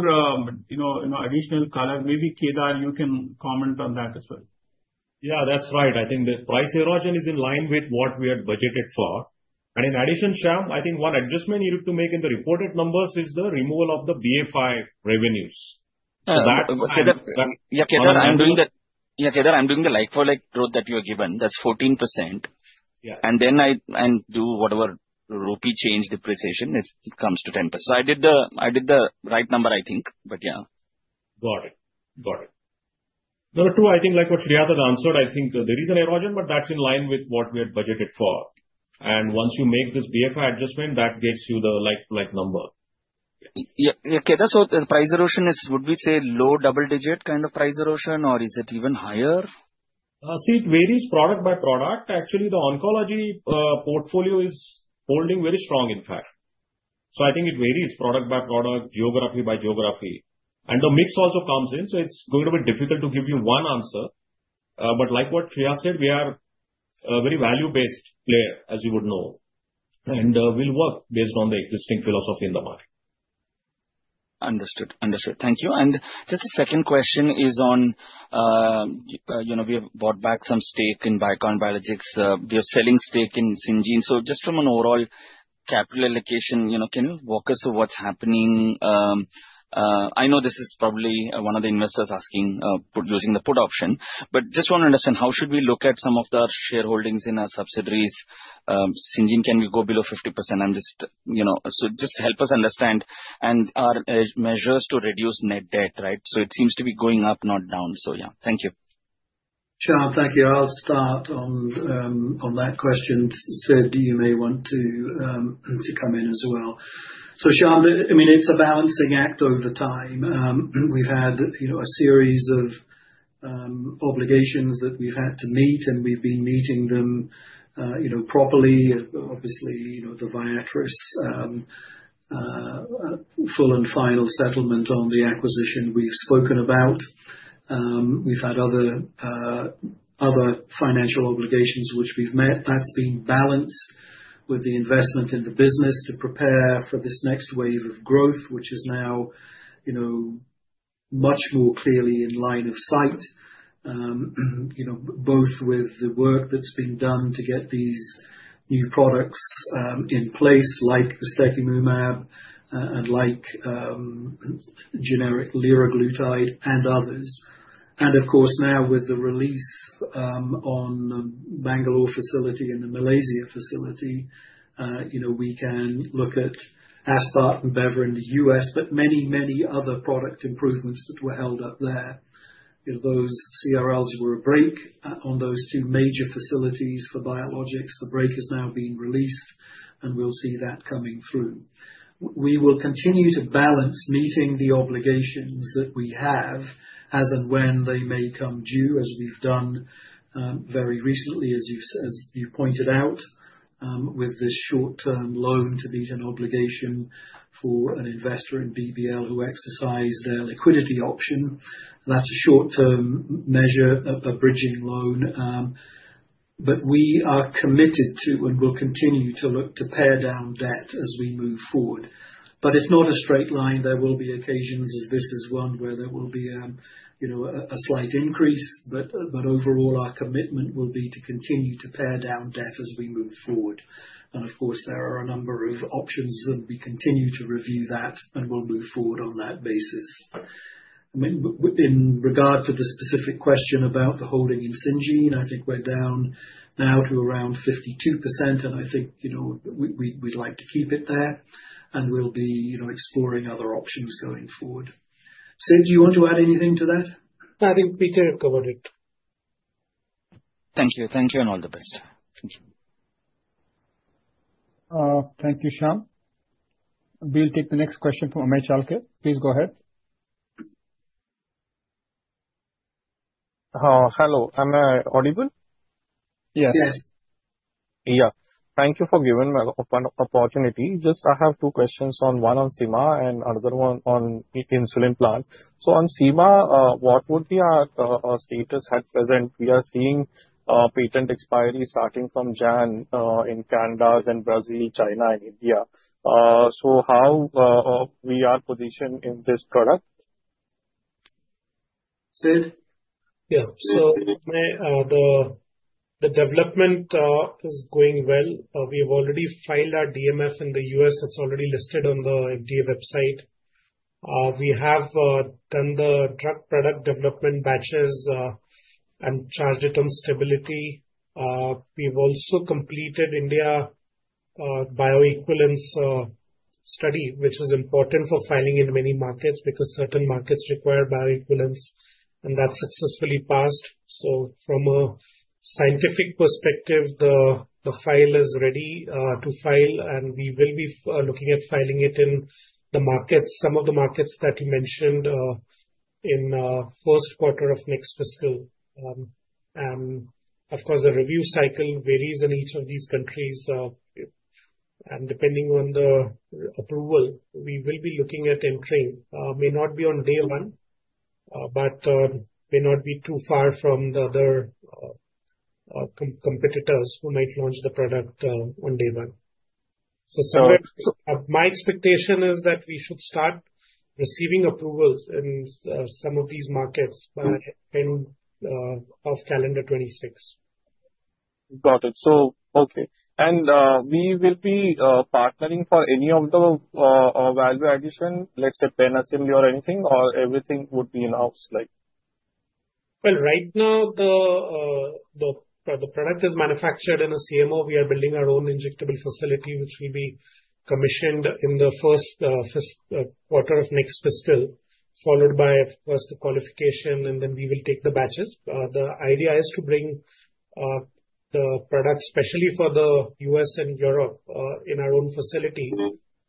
additional color, maybe Kedar, you can comment on that as well. Yeah, that's right. I think the price erosion is in line with what we had budgeted for. And in addition, Shyam, I think one adjustment needed to make in the reported numbers is the removal of the BFI revenues. Yeah, Kedar, I'm doing the like-for-like growth that you have given. That's 14%. And then I do whatever rupee depreciation if it comes to 10%. So, I did the right number, I think. But yeah. Got it. Got it. Number two, I think like what Shreehas had answered, I think there is an erosion, but that's in line with what we had budgeted for. And once you make this BFI adjustment, that gives you the like whole number. Yeah. Kedar, so the price erosion is, would we say low double-digit kind of price erosion, or is it even higher? See, it varies product by product. Actually, the oncology portfolio is holding very strong, in fact. So, I think it varies product by product, geography by geography. And the mix also comes in. So, it's going to be difficult to give you one answer. But like what Shreehas said, we are a very value-based player, as you would know, and we'll work based on the existing philosophy in the market. Understood. Understood. Thank you. And just a second question is on we have bought back some stake in Biocon Biologics. We are selling stake in Syngene. So, just from an overall capital allocation, can you walk us through what's happening? I know this is probably one of the investors asking using the put option. But just want to understand, how should we look at some of the shareholdings in our subsidiaries? Syngene, can we go below 50%? I'm just so just help us understand. And our measures to reduce net debt, right? So, it seems to be going up, not down. So, yeah. Thank you. Shyam, thank you. I'll start on that question. Sid, you may want to come in as well. So, Shyam, I mean, it's a balancing act over time. We've had a series of obligations that we've had to meet, and we've been meeting them properly. Obviously, the Viatris full and final settlement on the acquisition we've spoken about. We've had other financial obligations which we've met. That's been balanced with the investment in the business to prepare for this next wave of growth, which is now much more clearly in line of sight, both with the work that's been done to get these new products in place like the Ustekinumab and like Generic Liraglutide and others, and of course, now with the release on the Bengaluru facility and the Malaysia facility, we can look at Aspart and Bevacizumab in the U.S., but many, many other product improvements that were held up there. Those CRLs were a brake on those two major facilities for biologics. The brake has now been released, and we'll see that coming through. We will continue to balance meeting the obligations that we have as and when they may come due, as we've done very recently, as you pointed out, with this short-term loan to meet an obligation for an investor in BBL who exercised their liquidity option. That's a short-term measure, a bridging loan. But we are committed to and will continue to look to pare down debt as we move forward. But it's not a straight line. There will be occasions, as this is one, where there will be a slight increase. But overall, our commitment will be to continue to pare down debt as we move forward. And of course, there are a number of options, and we continue to review that, and we'll move forward on that basis. In regard to the specific question about the holding in Syngene, I think we're down now to around 52%, and I think we'd like to keep it there, and we'll be exploring other options going forward. Sid, do you want to add anything to that? I think Peter covered it. Thank you. Thank you and all the best. Thank you. Thank you, Shyam. We'll take the next question from Amey Chalke. Please go ahead. Hello. Am I audible? Yes. Yes. Yeah. Thank you for giving me an opportunity. Just I have two questions, one on Sema and another one on insulin plant. So, on Sema, what would be our status at present? We are seeing patent expiry starting from January in Canada, then Brazil, China, and India. So, how we are positioned in this product? Sid? Yeah. So, the development is going well. We have already filed our DMF in the U.S. It's already listed on the FDA website. We have done the drug product development batches and put it on stability. We've also completed India bioequivalence study, which is important for filing in many markets because certain markets require bioequivalence, and that's successfully passed. From a scientific perspective, the file is ready to file, and we will be looking at filing it in the markets, some of the markets that you mentioned in first quarter of next fiscal. Of course, the review cycle varies in each of these countries. Depending on the approval, we will be looking at entering. May not be on day one, but may not be too far from the other competitors who might launch the product on day one. My expectation is that we should start receiving approvals in some of these markets by end of calendar 2026. Got it. Okay. We will be partnering for any of the value addition, let's say pen assembly or anything, or everything would be in-house? Right now, the product is manufactured in a CMO. We are building our own injectable facility, which will be commissioned in the first quarter of next fiscal, followed by, of course, the qualification, and then we will take the batches. The idea is to bring the product, especially for the U.S. and Europe, in our own facility.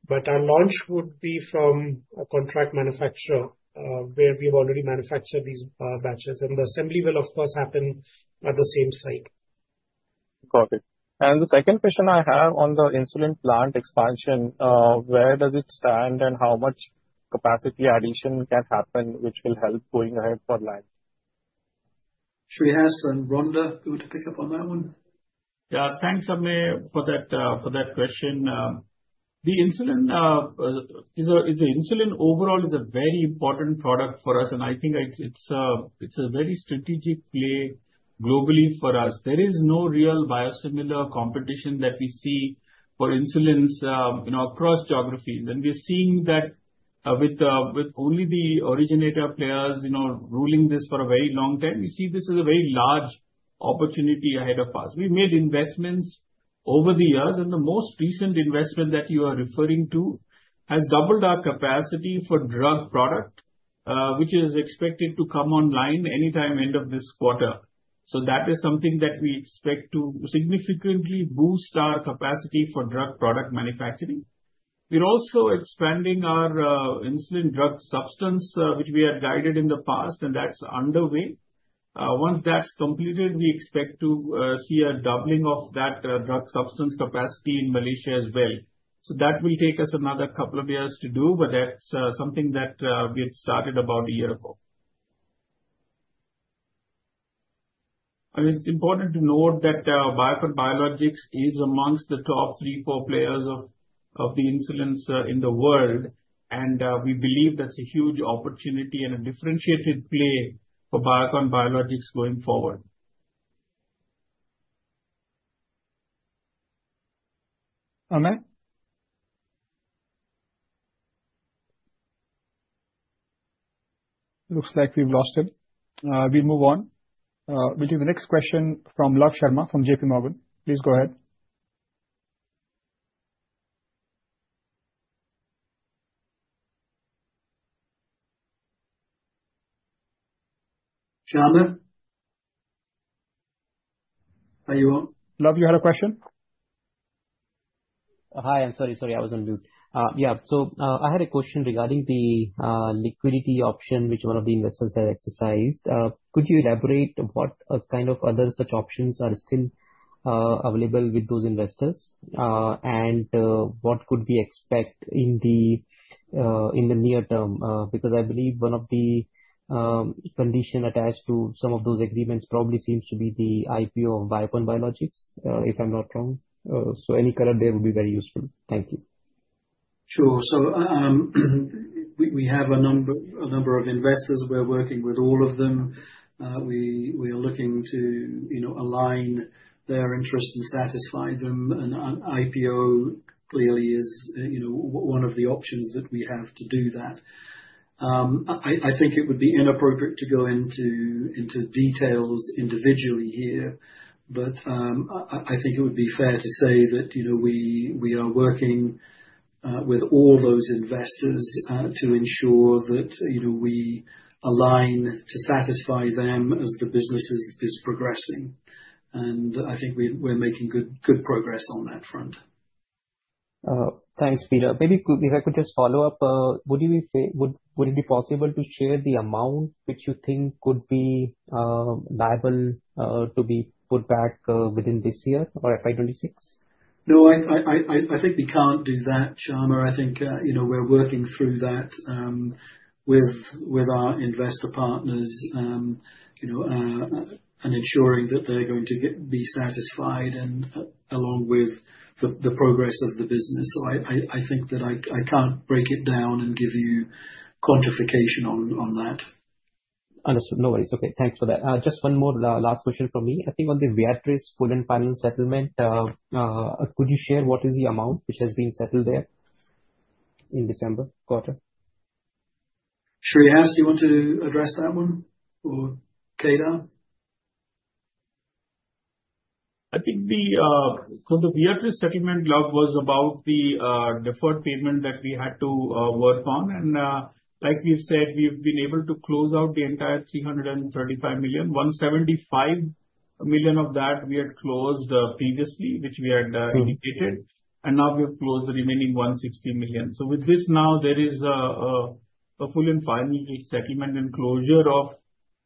But our launch would be from a contract manufacturer where we have already manufactured these batches. And the assembly will, of course, happen at the same site. Got it. And the second question I have on the insulin plant expansion, where does it stand and how much capacity addition can happen, which will help going ahead for life? Shreehas and Rhonda, you would pick up on that one. Yeah. Thanks, Amey, for that question. The insulin overall is a very important product for us, and I think it's a very strategic play globally for us. There is no real biosimilar competition that we see for insulins across geographies. And we are seeing that with only the originator players ruling this for a very long time, we see this as a very large opportunity ahead of us. We made investments over the years, and the most recent investment that you are referring to has doubled our capacity for drug product, which is expected to come online anytime end of this quarter. So, that is something that we expect to significantly boost our capacity for drug product manufacturing. We're also expanding our insulin drug substance, which we had guided in the past, and that's underway. Once that's completed, we expect to see a doubling of that drug substance capacity in Malaysia as well. So, that will take us another couple of years to do, but that's something that we had started about a year ago. And it's important to note that Biocon Biologics is amongst the top three, four players of the insulins in the world, and we believe that's a huge opportunity and a differentiated play for Biocon Biologics going forward. Amey? Looks like we've lost him. We'll move on. We'll take the next question from Love Sharma from JPMorgan. Please go ahead. Shyam? Are you on? Love, you had a question? Hi. I'm sorry. Sorry, I was on mute. Yeah. So, I had a question regarding the liquidity option, which one of the investors has exercised. Could you elaborate what kind of other such options are still available with those investors? And what could we expect in the near term? Because I believe one of the conditions attached to some of those agreements probably seems to be the IPO of Biocon Biologics, if I'm not wrong. So, any color there would be very useful. Thank you. Sure. So, we have a number of investors. We're working with all of them. We are looking to align their interests and satisfy them. And IPO clearly is one of the options that we have to do that. I think it would be inappropriate to go into details individually here, but I think it would be fair to say that we are working with all those investors to ensure that we align to satisfy them as the business is progressing, and I think we're making good progress on that front. Thanks, Peter. Maybe if I could just follow up, would it be possible to share the amount which you think could be liable to be put back within this year or FY 2026? No, I think we can't do that, Shyam. I think we're working through that with our investor partners and ensuring that they're going to be satisfied along with the progress of the business, so I think that I can't break it down and give you quantification on that. Understood. No worries. Okay. Thanks for that. Just one more last question from me. I think on the Viatris full and final settlement, could you share what is the amount which has been settled there in December quarter? Shreehas, do you want to address that one or Kedar? I think the Viatris settlement deal was about the deferred payment that we had to work on. And like we've said, we've been able to close out the entire $335 million. $175 million of that we had closed previously, which we had indicated. And now we have closed the remaining $160 million. So, with this now, there is a full and final settlement and closure of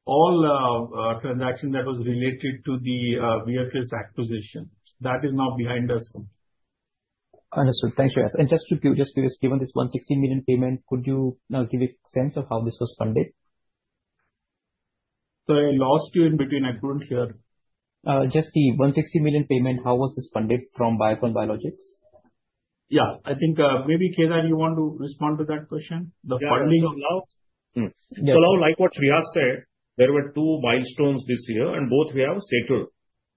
all transactions that was related to the Viatris acquisition. That is now behind us. Understood. Thanks, Shreehas. And just to be just curious, given this $160 million payment, could you give a sense of how this was funded? Sorry, I lost you in between. I couldn't hear. Just the $160 million payment, how was this funded from Biocon Biologics? Yeah. I think maybe Kedar, you want to respond to that question? The funding of Love. So, Love, like what Shreehas said, there were two milestones this year, and both we have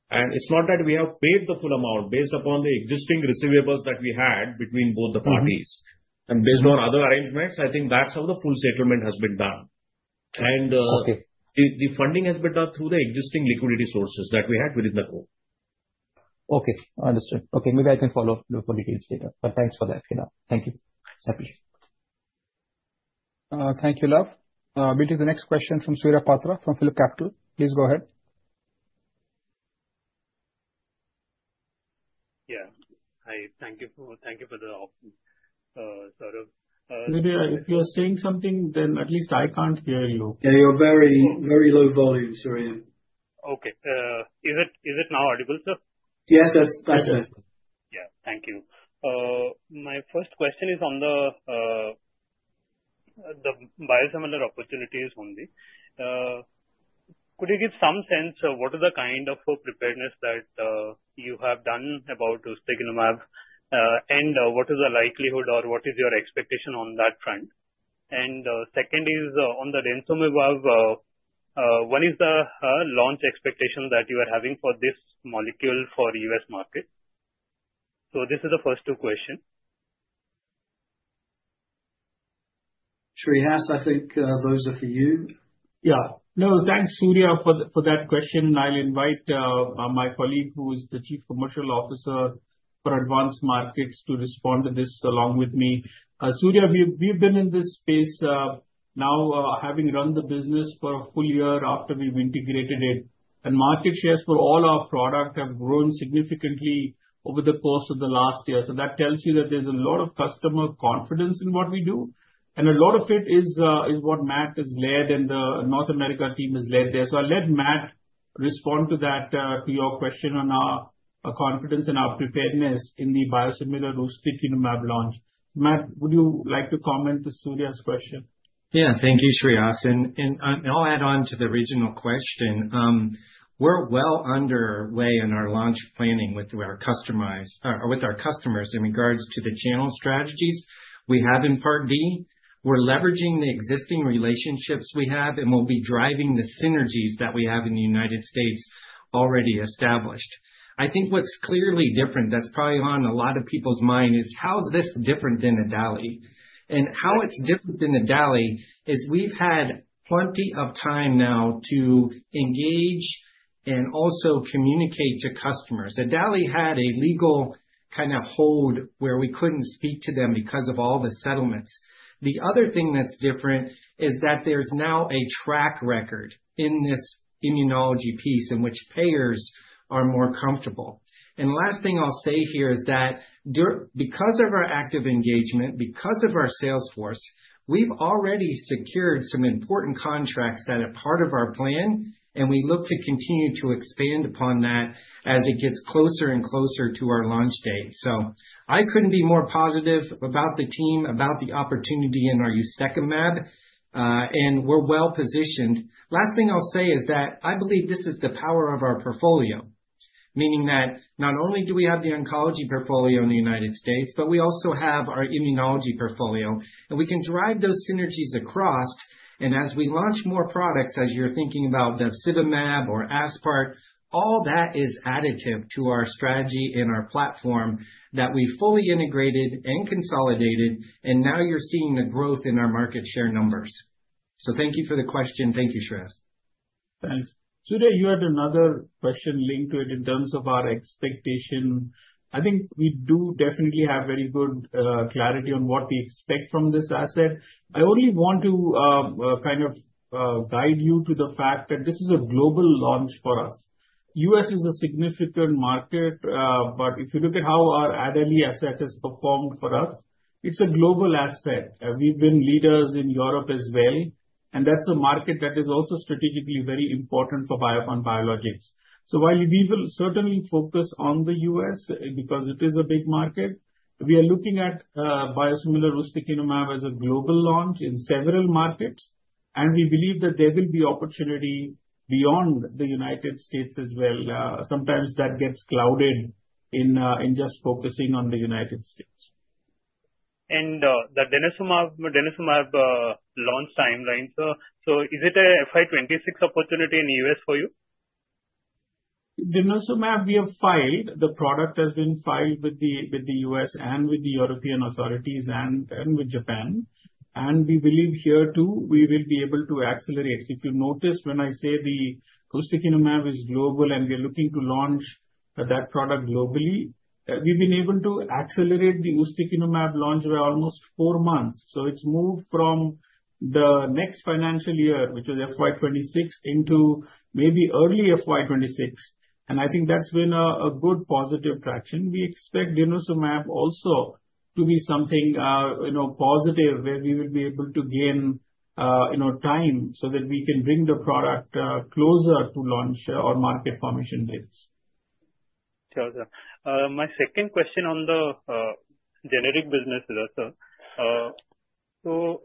settled. And it's not that we have paid the full amount based upon the existing receivables that we had between both the parties. And based on other arrangements, I think that's how the full settlement has been done. And the funding has been done through the existing liquidity sources that we had within the group. Okay. Understood. Okay. Maybe I can follow up for details, Kedar. But thanks for that, Kedar. Thank you. Happy. Thank you, Love. We'll take the next question from Surya Patra from PhillipCapital. Please go ahead. Yeah. Hi. Thank you for the opportunity, Sir. If you're saying something, then at least I can't hear you. Yeah. You're very low volume, Surya. Okay. Is it now audible, sir? Yes, yes. That's better. Yeah. Thank you. My first question is on the biosimilar opportunities only. Could you give some sense of what is the kind of preparedness that you have done about Ustekinumab, and what is the likelihood or what is your expectation on that front? And second is on the insulin, one is the launch expectation that you are having for this molecule for U.S. market. So, this is the first two questions. Shreehas, I think those are for you. Yeah. No, thanks, Surya, for that question. I'll invite my colleague, who is the Chief Commercial Officer for advanced markets, to respond to this along with me. Surya, we've been in this space now, having run the business for a full year after we've integrated it. Market shares for all our product have grown significantly over the course of the last year. That tells you that there's a lot of customer confidence in what we do. A lot of it is what Matt has led, and the North America team has led there. I'll let Matt respond to that, to your question on our confidence and our preparedness in the biosimilar Ustekinumab launch. Matt, would you like to comment to Surya's question? Yeah. Thank you, Shreehas. I'll add on to the original question. We're well underway in our launch planning with our customers in regards to the channel strategies we have in Part D. We're leveraging the existing relationships we have, and we'll be driving the synergies that we have in the United States already established. I think what's clearly different, that's probably on a lot of people's mind, is how's this different than adalimumab. And how it's different than adalimumab is we've had plenty of time now to engage and also communicate to customers. Adalimumab had a legal kind of hold where we couldn't speak to them because of all the settlements. The other thing that's different is that there's now a track record in this immunology piece in which payers are more comfortable. And last thing I'll say here is that because of our active engagement, because of our salesforce, we've already secured some important contracts that are part of our plan, and we look to continue to expand upon that as it gets closer and closer to our launch date. So, I couldn't be more positive about the team, about the opportunity in our Ustekinumab, and we're well positioned. Last thing I'll say is that I believe this is the power of our portfolio, meaning that not only do we have the oncology portfolio in the United States, but we also have our immunology portfolio, and we can drive those synergies across. And as we launch more products, as you're thinking about the Bevacizumab or Aspart, all that is additive to our strategy and our platform that we fully integrated and consolidated, and now you're seeing the growth in our market share numbers. So, thank you for the question. Thank you, Shreehas. Thanks. Surya, you had another question linked to it in terms of our expectation. I think we do definitely have very good clarity on what we expect from this asset. I only want to kind of guide you to the fact that this is a global launch for us. U.S. is a significant market, but if you look at how our Hulio asset has performed for us, it's a global asset. We've been leaders in Europe as well, and that's a market that is also strategically very important for Biocon Biologics. So, while we will certainly focus on the U.S. because it is a big market, we are looking at biosimilar Ustekinumab as a global launch in several markets, and we believe that there will be opportunity beyond the United States as well. Sometimes that gets clouded in just focusing on the United States. And the Denosumab launch timeline, so is it an FY 2026 opportunity in the U.S. for you? Denosumab, we have filed. The product has been filed with the U.S. and with the European authorities and with Japan. And we believe here too, we will be able to accelerate. If you noticed when I say the Ustekinumab is global and we're looking to launch that product globally, we've been able to accelerate the Ustekinumab launch by almost four months. So, it's moved from the next financial year, which was FY 2026, into maybe early FY 2026. And I think that's been a good positive traction. We expect Denosumab also to be something positive where we will be able to gain time so that we can bring the product closer to launch or market formation dates. My second question on the generic business, sir. So,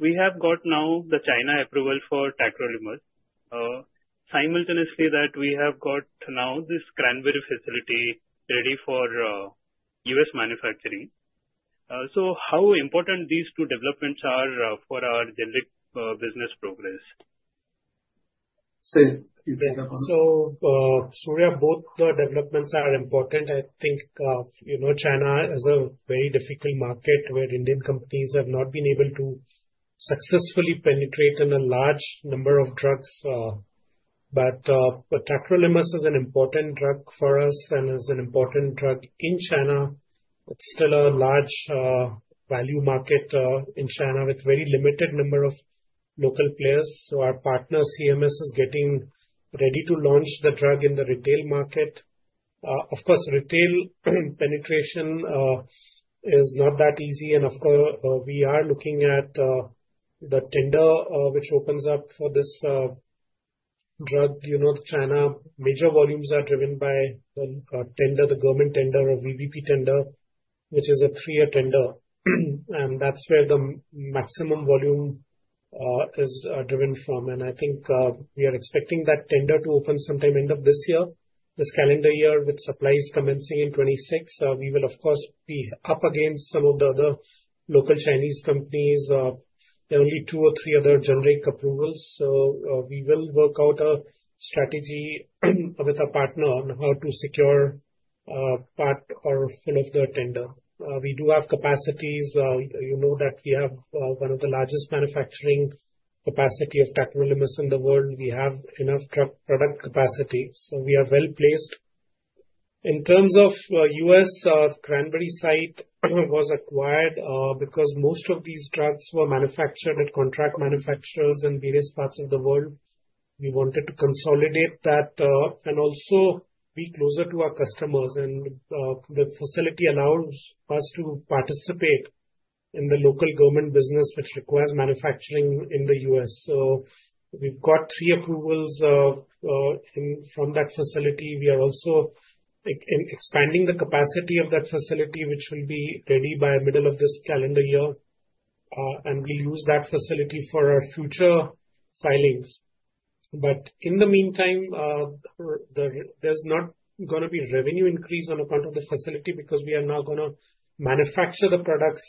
we have got now the China approval for Tacrolimus. Simultaneously, we have got now this Cranbury facility ready for US manufacturing. So, how important these two developments are for our generic business progress? Sid? So, Surya, both the developments are important. I think China is a very difficult market where Indian companies have not been able to successfully penetrate in a large number of drugs. But Tacrolimus is an important drug for us and is an important drug in China. It's still a large value market in China with a very limited number of local players. So, our partner CMS is getting ready to launch the drug in the retail market. Of course, retail penetration is not that easy. And of course, we are looking at the tender which opens up for this drug. China major volumes are driven by the tender, the government tender or VBP tender, which is a three-year tender. And that's where the maximum volume is driven from. And I think we are expecting that tender to open sometime end of this year, this calendar year with supplies commencing in 2026. We will, of course, be up against some of the other local Chinese companies. There are only two or three other generic approvals. So, we will work out a strategy with a partner on how to secure part or full of the tender. We do have capacities. You know that we have one of the largest manufacturing capacity of Tacrolimus in the world. We have enough drug product capacity. So, we are well placed. In terms of U.S., Cranbury site was acquired because most of these drugs were manufactured at contract manufacturers in various parts of the world. We wanted to consolidate that and also be closer to our customers. And the facility allows us to participate in the local government business, which requires manufacturing in the U.S. So, we've got three approvals from that facility. We are also expanding the capacity of that facility, which will be ready by middle of this calendar year, and we'll use that facility for our future filings. But in the meantime, there's not going to be revenue increase on account of the facility because we are now going to manufacture the products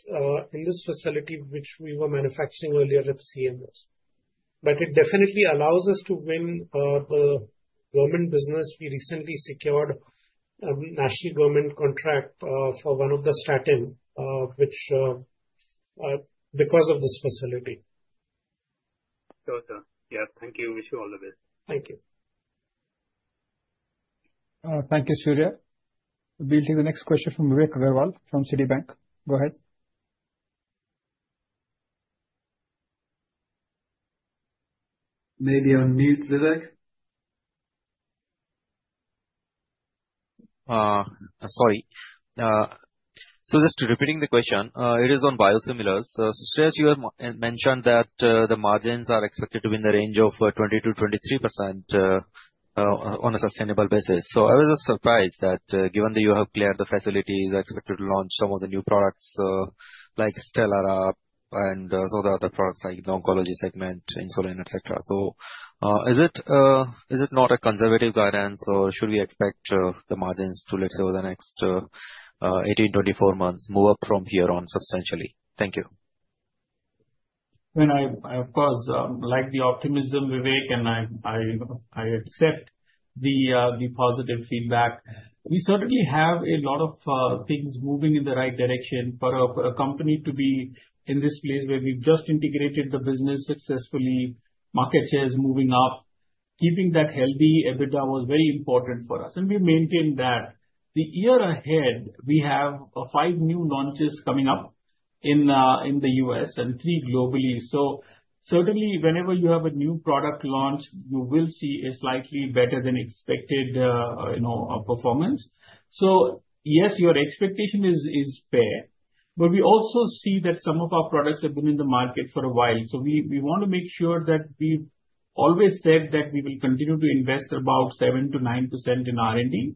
in this facility, which we were manufacturing earlier at CMS. But it definitely allows us to win the government business. We recently secured a national government contract for one of the statin, which because of this facility. Gotcha. Yeah. Thank you. Wish you all the best. Thank you. Thank you, Surya. We'll take the next question from Vivek Agarwal from Citibank. Go ahead. Maybe on mute, Vivek. Sorry. So, just repeating the question, it is on biosimilars. So, Shreehas, you have mentioned that the margins are expected to be in the range of 20%-23% on a sustainable basis. So, I was surprised that given that you have cleared the facilities, expected to launch some of the new products like Stelara and some of the other products like the oncology segment, insulin, etc. So, is it not a conservative guidance, or should we expect the margins to, let's say, over the next 18-24 months move up from here on substantially? Thank you. And I, of course, like the optimism, Vivek, and I accept the positive feedback. We certainly have a lot of things moving in the right direction for a company to be in this place where we've just integrated the business successfully, market shares moving up. Keeping that healthy EBITDA was very important for us, and we maintain that. The year ahead, we have five new launches coming up in the U.S. and three globally, so certainly, whenever you have a new product launch, you will see a slightly better than expected performance, so yes, your expectation is fair, but we also see that some of our products have been in the market for a while, so we want to make sure that we've always said that we will continue to invest about 7%-9% in R&D.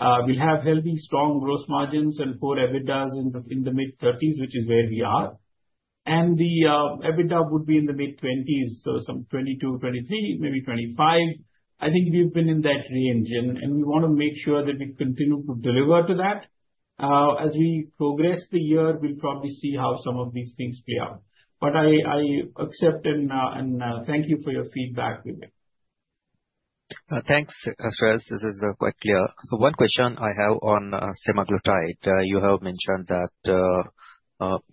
We'll have healthy, strong gross margins and core EBITDAs in the mid-30s, which is where we are, and the EBITDA would be in the mid-20s, so some 22%, 23%, maybe 25%. I think we've been in that range, and we want to make sure that we continue to deliver to that. As we progress the year, we'll probably see how some of these things play out. I accept and thank you for your feedback, Vivek. Thanks, Shreehas. This is quite clear. So, one question I have on Semaglutide. You have mentioned that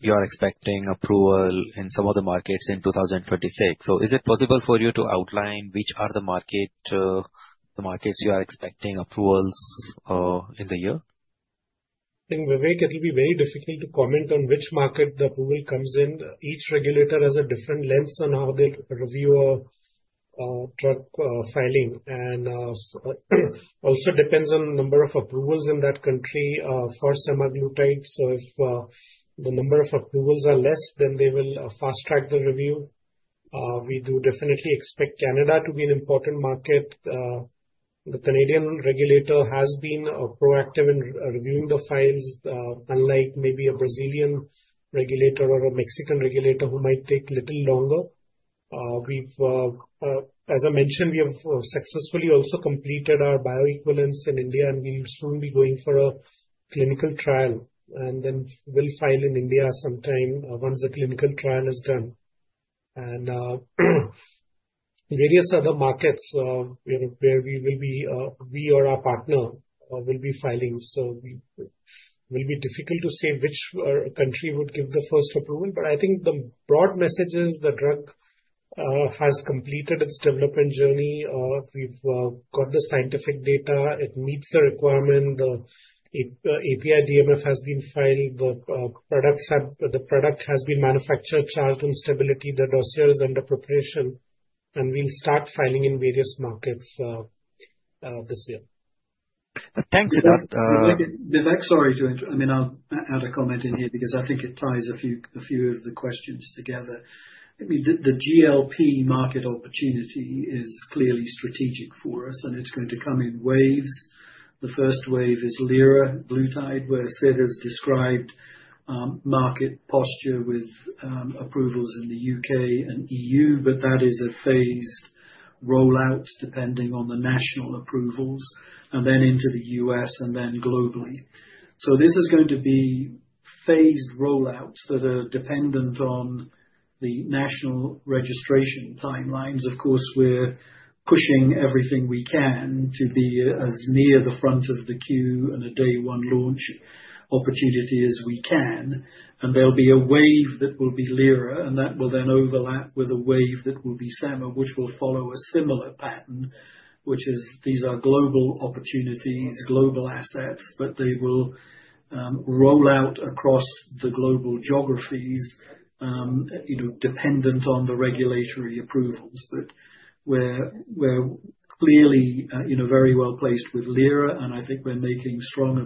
you are expecting approval in some of the markets in 2026. So, is it possible for you to outline which are the markets you are expecting approvals in the year? I think, Vivek, it'll be very difficult to comment on which market the approval comes in. Each regulator has a different lens on how they'll review a drug filing. And also depends on the number of approvals in that country for Semaglutide. So, if the number of approvals are less, then they will fast-track the review. We do definitely expect Canada to be an important market. The Canadian regulator has been proactive in reviewing the files, unlike maybe a Brazilian regulator or a Mexican regulator who might take a little longer. As I mentioned, we have successfully also completed our bioequivalence in India, and we'll soon be going for a clinical trial and then we'll file in India sometime once the clinical trial is done and various other markets where we will be, we or our partner will be filing, so it will be difficult to say which country would give the first approval, but I think the broad message is the drug has completed its development journey. We've got the scientific data. It meets the requirement. The API DMF has been filed. The product has been manufactured, charged on stability. The dossier is under preparation and we'll start filing in various markets this year. Thanks, Vivek. Sorry to interrupt. I mean, I'll add a comment in here because I think it ties a few of the questions together. I mean, the GLP market opportunity is clearly strategic for us, and it's going to come in waves. The first wave is Liraglutide, where Sid has described market posture with approvals in the U.K. and E.U., but that is a phased rollout depending on the national approvals and then into the U.S. and then globally. So, this is going to be phased rollouts that are dependent on the national registration timelines. Of course, we're pushing everything we can to be as near the front of the queue and a day-one launch opportunity as we can. And there'll be a wave that will be Liraglutide, and that will then overlap with a wave that will be Semaglutide, which will follow a similar pattern, which is these are global opportunities, global assets, but they will roll out across the global geographies dependent on the regulatory approvals. But we're clearly very well placed with Lira, and I think we're making strong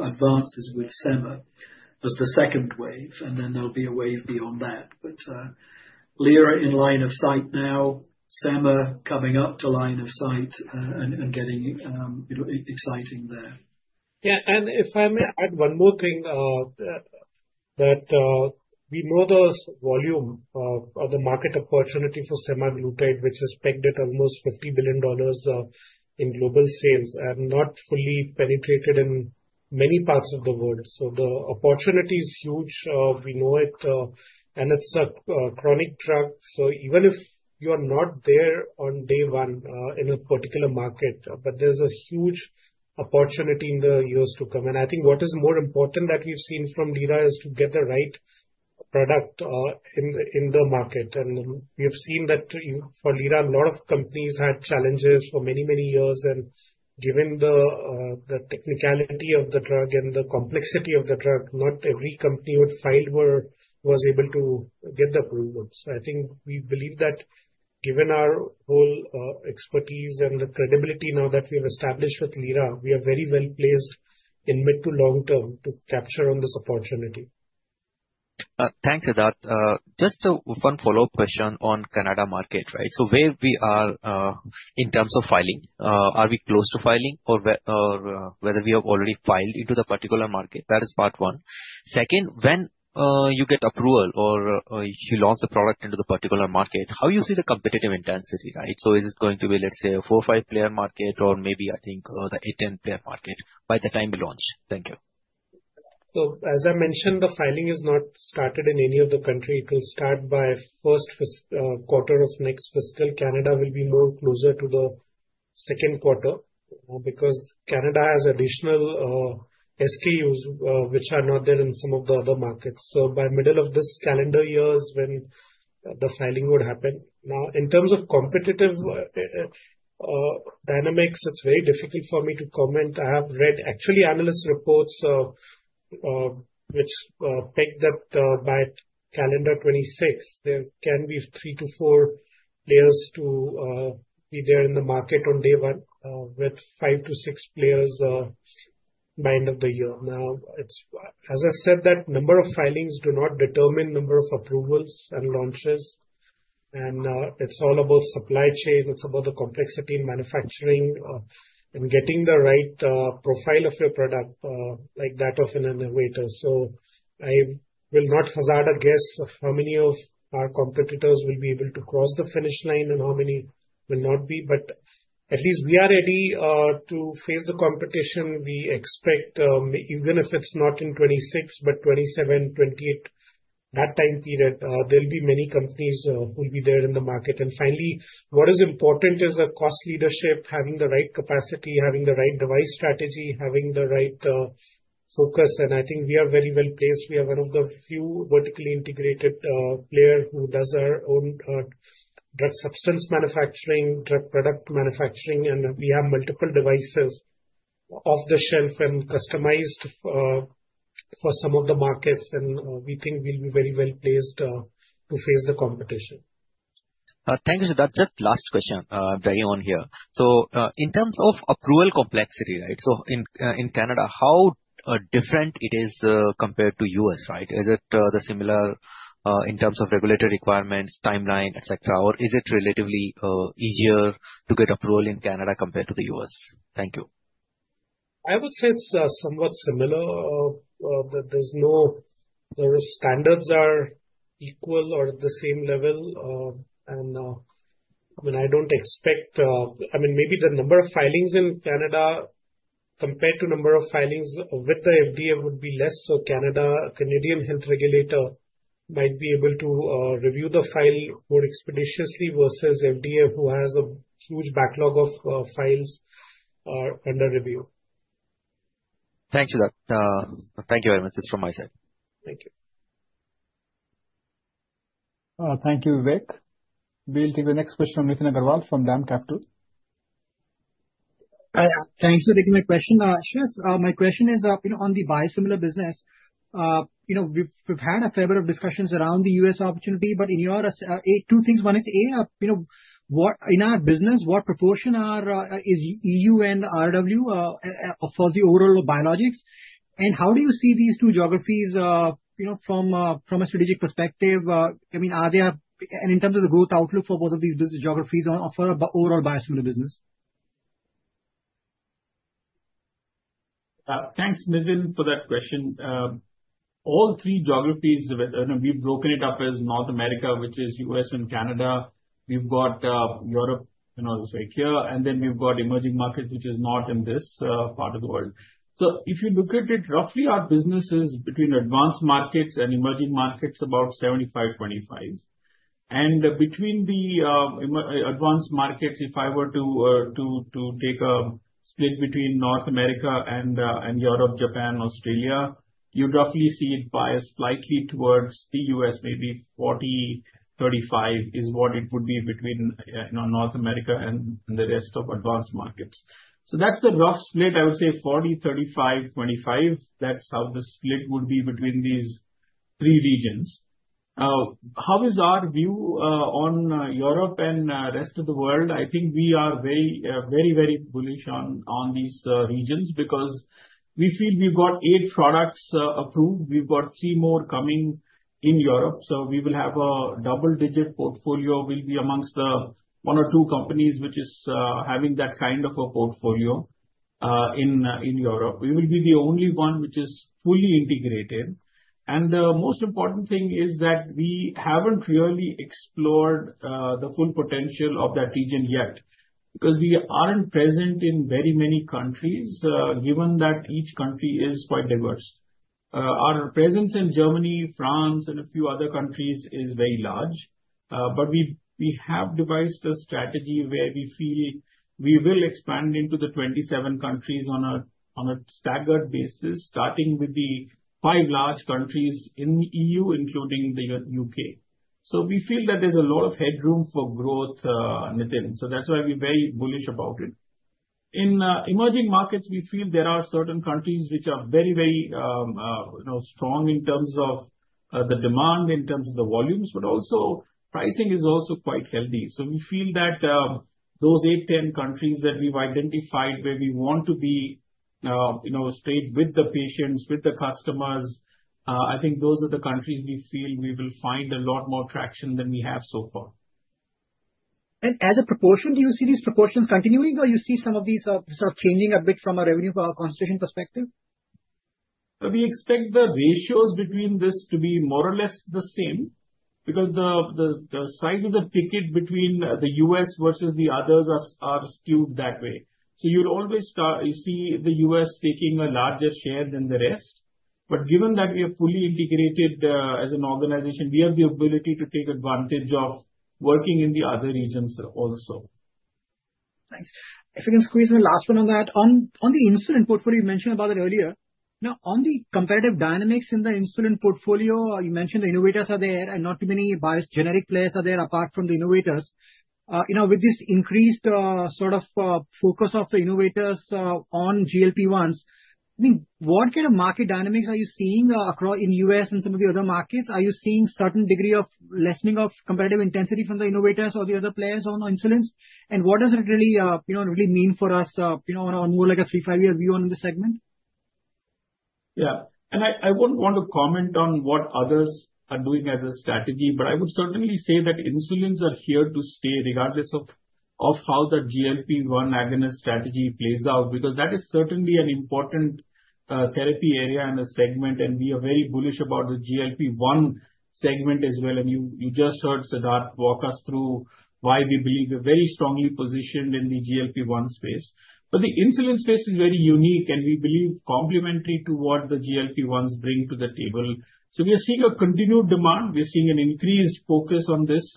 advances with Sema as the second wave. And then there'll be a wave beyond that. But Lira in line of sight now, Sema coming up to line of sight and getting exciting there. Yeah. And if I may add one more thing, that we know the volume or the market opportunity for Semaglutide, which has pegged at almost $50 billion in global sales, and not fully penetrated in many parts of the world. So, the opportunity is huge. We know it, and it's a chronic drug. So, even if you are not there on day one in a particular market, but there's a huge opportunity in the years to come. And I think what is more important that we've seen from Lira is to get the right product in the market. We have seen that for Lira, a lot of companies had challenges for many, many years. Given the technicality of the drug and the complexity of the drug, not every company we'd filed for was able to get the approval. I think we believe that given our whole expertise and the credibility now that we have established with Lira, we are very well placed in mid- to long-term to capture on this opportunity. Thanks, Siddharth. Just a fun follow-up question on Canada market, right? Where we are in terms of filing, are we close to filing or whether we have already filed into the particular market? That is part one. Second, when you get approval or you launch the product into the particular market, how do you see the competitive intensity, right? Is it going to be, let's say, a four- or five-player market or maybe, I think, the eight- to 10-player market by the time we launch? Thank you. So, as I mentioned, the filing has not started in any of the countries. It will start by first quarter of next fiscal. Canada will be more closer to the second quarter because Canada has additional SKUs which are not there in some of the other markets. So, by middle of this calendar year is when the filing would happen. Now, in terms of competitive dynamics, it's very difficult for me to comment. I have read actually analyst reports which peg that by calendar 2026, there can be three to four players to be there in the market on day one with five to six players by end of the year. Now, as I said, that number of filings do not determine the number of approvals and launches, and it's all about supply chain. It's about the complexity in manufacturing and getting the right profile of your product like that of an innovator, so I will not hazard a guess of how many of our competitors will be able to cross the finish line and how many will not be, but at least we are ready to face the competition. We expect even if it's not in 2026, but 2027, 2028, that time period, there'll be many companies who will be there in the market, and finally, what is important is the cost leadership, having the right capacity, having the right device strategy, having the right focus, and I think we are very well placed. We are one of the few vertically integrated players who does our own drug substance manufacturing, drug product manufacturing, and we have multiple devices off the shelf and customized for some of the markets. And we think we'll be very well placed to face the competition. Thank you, Siddharth. Just last question very on here. So, in terms of approval complexity, right? So, in Canada, how different is it compared to the U.S., right? Is it similar in terms of regulatory requirements, timeline, etc., or is it relatively easier to get approval in Canada compared to the U.S.? Thank you. I would say it's somewhat similar that there's no standards that are equal or at the same level. And I mean, I don't expect I mean, maybe the number of filings in Canada compared to the number of filings with the FDA would be less. So, Canada, Canadian health regulator might be able to review the file more expeditiously versus FDA who has a huge backlog of files under review. Thank you, Siddharth. Thank you very much. This is from my side. Thank you. Thank you, Vivek. We'll take the next question from Nithin Agarwal from DAM Capital. Thanks for taking my question, Shreehas. My question is on the biosimilar business. We've had a fair bit of discussions around the U.S. opportunity, but in your two things, one is in our business, what proportion is EU and RoW for the overall biologics? And how do you see these two geographies from a strategic perspective? I mean, are there any terms of the growth outlook for both of these geographies for the overall biosimilar business? Thanks, Nithin, for that question. All three geographies, we've broken it up as North America, which is U.S. and Canada. We've got Europe right here, and then we've got emerging markets, which is not in this part of the world, so if you look at it roughly, our business is between advanced markets and emerging markets, about 75% to 25%. And between the advanced markets, if I were to take a split between North America and Europe, Japan, Australia, you'd roughly see it biased slightly towards the U.S., maybe 40% to 35% is what it would be between North America and the rest of advanced markets, so that's the rough split. I would say 40% to 35% to 25%. That's how the split would be between these three regions. How is our view on Europe and the rest of the world? I think we are very, very bullish on these regions because we feel we've got eight products approved. We've got three more coming in Europe, so we will have a double-digit portfolio. We'll be amongst the one or two companies which are having that kind of a portfolio in Europe. We will be the only one which is fully integrated. And the most important thing is that we haven't really explored the full potential of that region yet because we aren't present in very many countries, given that each country is quite diverse. Our presence in Germany, France, and a few other countries is very large. But we have devised a strategy where we feel we will expand into the 27 countries on a staggered basis, starting with the five large countries in the EU, including the U.K. So, we feel that there's a lot of headroom for growth, Nithin. So, that's why we're very bullish about it. In emerging markets, we feel there are certain countries which are very, very strong in terms of the demand, in terms of the volumes, but also pricing is also quite healthy. We feel that those eight, 10 countries that we've identified where we want to be straight with the patients, with the customers. I think those are the countries we feel we will find a lot more traction than we have so far. And as a proportion, do you see these proportions continuing, or do you see some of these sort of changing a bit from a revenue concentration perspective? We expect the ratios between this to be more or less the same because the size of the ticket between the U.S. versus the others are skewed that way. You'll always see the U.S. taking a larger share than the rest. But given that we are fully integrated as an organization, we have the ability to take advantage of working in the other regions also. Thanks. If I can squeeze my last one on that. On the insulin portfolio, you mentioned about it earlier. Now, on the competitive dynamics in the insulin portfolio, you mentioned the innovators are there and not too many generic players are there apart from the innovators. With this increased sort of focus of the innovators on GLP-1s, I mean, what kind of market dynamics are you seeing in the U.S. and some of the other markets? Are you seeing a certain degree of lessening of competitive intensity from the innovators or the other players on insulins? And what does it really mean for us on more like a three- to five-year view on the segment? Yeah. I wouldn't want to comment on what others are doing as a strategy, but I would certainly say that insulins are here to stay regardless of how the GLP-1 agonist strategy plays out because that is certainly an important therapy area and a segment. We are very bullish about the GLP-1 segment as well. You just heard Siddharth walk us through why we believe we're very strongly positioned in the GLP-1 space. The insulin space is very unique, and we believe complementary to what the GLP-1s bring to the table. We are seeing a continued demand. We are seeing an increased focus on this.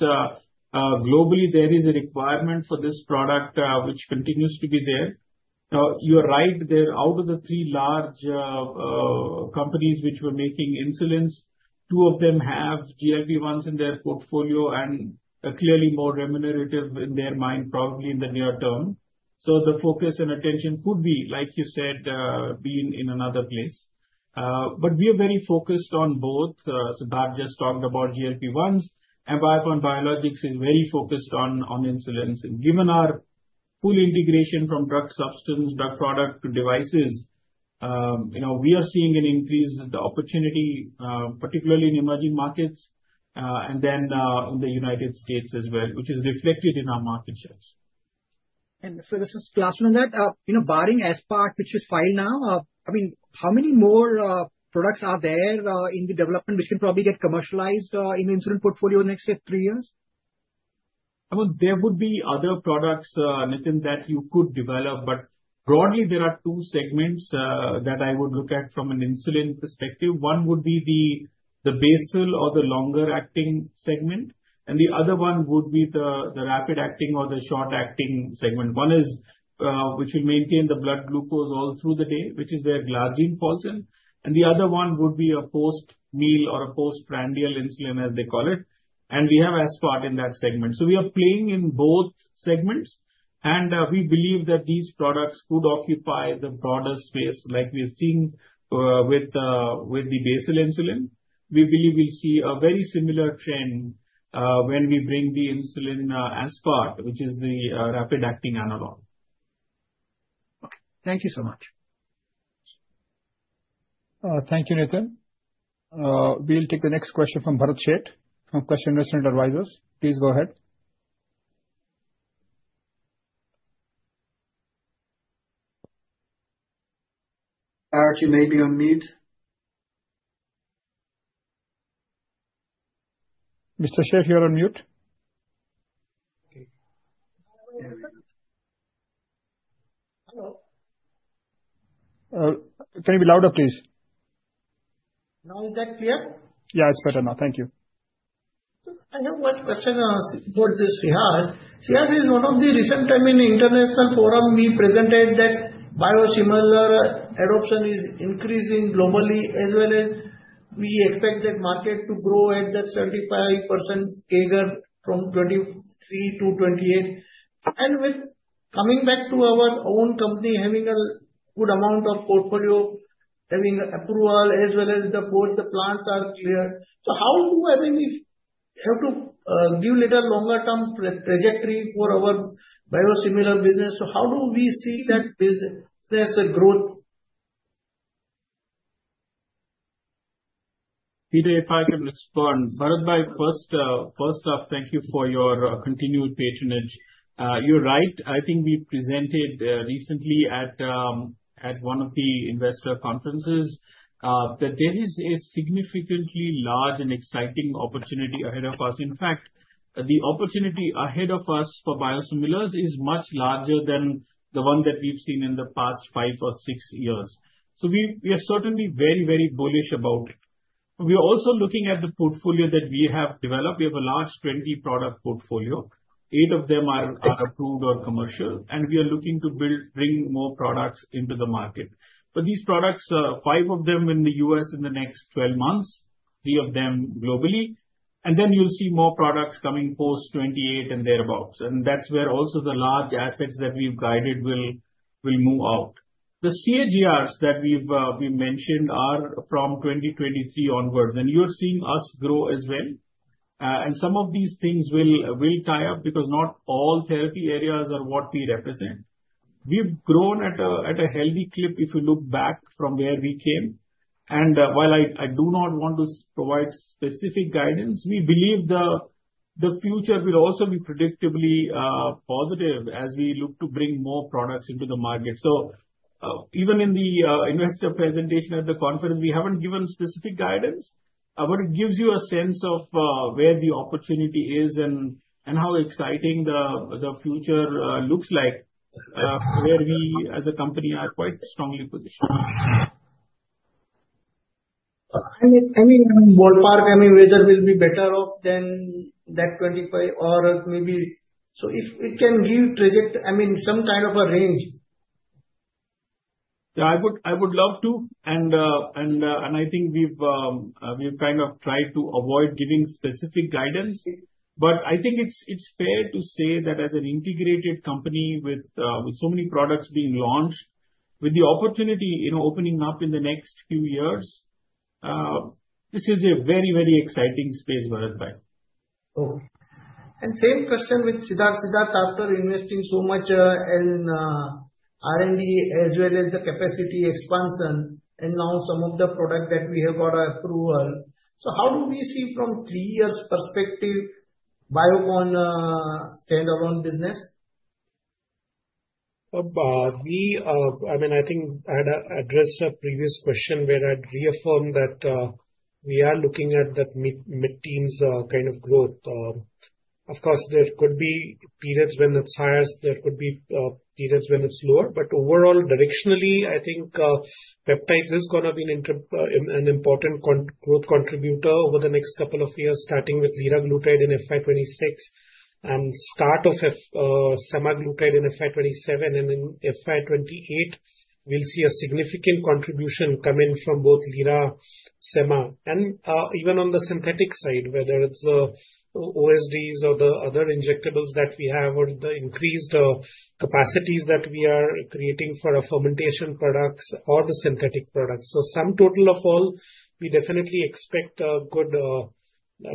Globally, there is a requirement for this product which continues to be there. You're right. Out of the three large companies which were making insulins, two of them have GLP-1s in their portfolio and are clearly more remunerative in their mind, probably in the near term. So, the focus and attention could be, like you said, being in another place. But we are very focused on both. Siddharth just talked about GLP-1s, and Biocon Biologics is very focused on insulins. And given our full integration from drug substance, drug product to devices, we are seeing an increase in the opportunity, particularly in emerging markets and then in the United States as well, which is reflected in our market shares. And for this last one on that, barring SPARC, which is filed now, I mean, how many more products are there in the development which can probably get commercialized in the insulin portfolio in the next three years? I mean, there would be other products, Nithin, that you could develop. But broadly, there are two segments that I would look at from an insulin perspective. One would be the basal or the longer-acting segment. The other one would be the rapid-acting or the short-acting segment, which will maintain the blood glucose all through the day, which is where Glargine falls in. The other one would be a post-meal or a post-prandial insulin, as they call it. We have Aspart in that segment. We are playing in both segments. We believe that these products could occupy the broader space like we are seeing with the basal insulin. We believe we'll see a very similar trend when we bring the insulin Aspart, which is the rapid-acting analog. Okay. Thank you so much. Thank you, Nithin. We'll take the next question from Bharat Sheth from Quest Investment Advisors. Please go ahead. Bharat, maybe on mute. Mr. Sheth, you're on mute. Okay. Hello. Can you be louder, please? Now is that clear? Yeah, it's better now. Thank you. I have one question for Shreehas. Shreehas is one of the recent time in the international forum we presented that biosimilar adoption is increasing globally as well as we expect that market to grow at that 75% CAGR from 2023 to 2028. And with coming back to our own company having a good amount of portfolio, having approval as well as the plants are cleared. So, how do I mean, we have to give a little longer-term trajectory for our biosimilar business. So, how do we see that business growth? Peter, if I can respond. Bharath, first off, thank you for your continued patronage. You're right. I think we presented recently at one of the investor conferences that there is a significantly large and exciting opportunity ahead of us. In fact, the opportunity ahead of us for biosimilars is much larger than the one that we've seen in the past five or six years. So, we are certainly very, very bullish about it. We are also looking at the portfolio that we have developed. We have a large 20-product portfolio. Eight of them are approved or commercial. And we are looking to bring more products into the market. But these products, five of them in the U.S. in the next 12 months, three of them globally. And then you'll see more products coming post 2028 and thereabouts. And that's where also the large assets that we've guided will move out. The CAGRs that we mentioned are from 2023 onwards. And you're seeing us grow as well. Some of these things will tie up because not all therapy areas are what we represent. We've grown at a healthy clip if you look back from where we came. While I do not want to provide specific guidance, we believe the future will also be predictably positive as we look to bring more products into the market. Even in the investor presentation at the conference, we haven't given specific guidance, but it gives you a sense of where the opportunity is and how exciting the future looks like, where we as a company are quite strongly positioned. I mean, whether we'll be better off than that 2025 or maybe. If it can give trajectory, I mean, some kind of a range. Yeah, I would love to. I think we've kind of tried to avoid giving specific guidance. But I think it's fair to say that as an integrated company with so many products being launched, with the opportunity opening up in the next few years, this is a very, very exciting space, Bharat bhai. And same question with Siddharth. Siddharth, after investing so much in R&D as well as the capacity expansion, and now some of the product that we have got approval, so how do we see from three years' perspective Biocon standalone business? I mean, I think I had addressed a previous question where I'd reaffirm that we are looking at that mid-teens kind of growth. Of course, there could be periods when it's highest. There could be periods when it's lower. But overall, directionally, I think peptides is going to be an important growth contributor over the next couple of years, starting with Liraglutide in FY 2026 and start of Semaglutide in FY 2027. In FY 2028, we'll see a significant contribution come in from both Liraglutide, Semaglutide, and even on the synthetic side, whether it's the OSDs or the other injectables that we have or the increased capacities that we are creating for our fermentation products or the synthetic products. So, sum total of all, we definitely expect good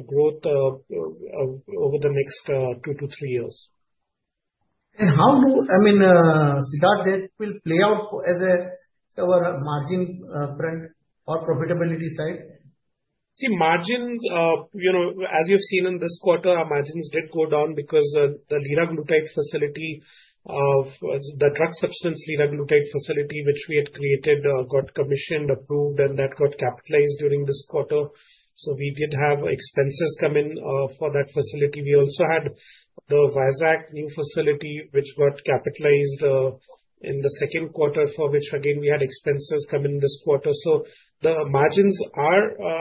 growth over the next two to three years. And how do, I mean, Siddarth, that will play out as a margin front or profitability side? See, margins, as you've seen in this quarter, our margins did go down because the Liraglutide facility, the drug substance Liraglutide facility, which we had created, got commissioned, approved, and that got capitalized during this quarter. So, we did have expenses come in for that facility. We also had the Vizag new facility, which got capitalized in the second quarter, for which, again, we had expenses come in this quarter, so the margins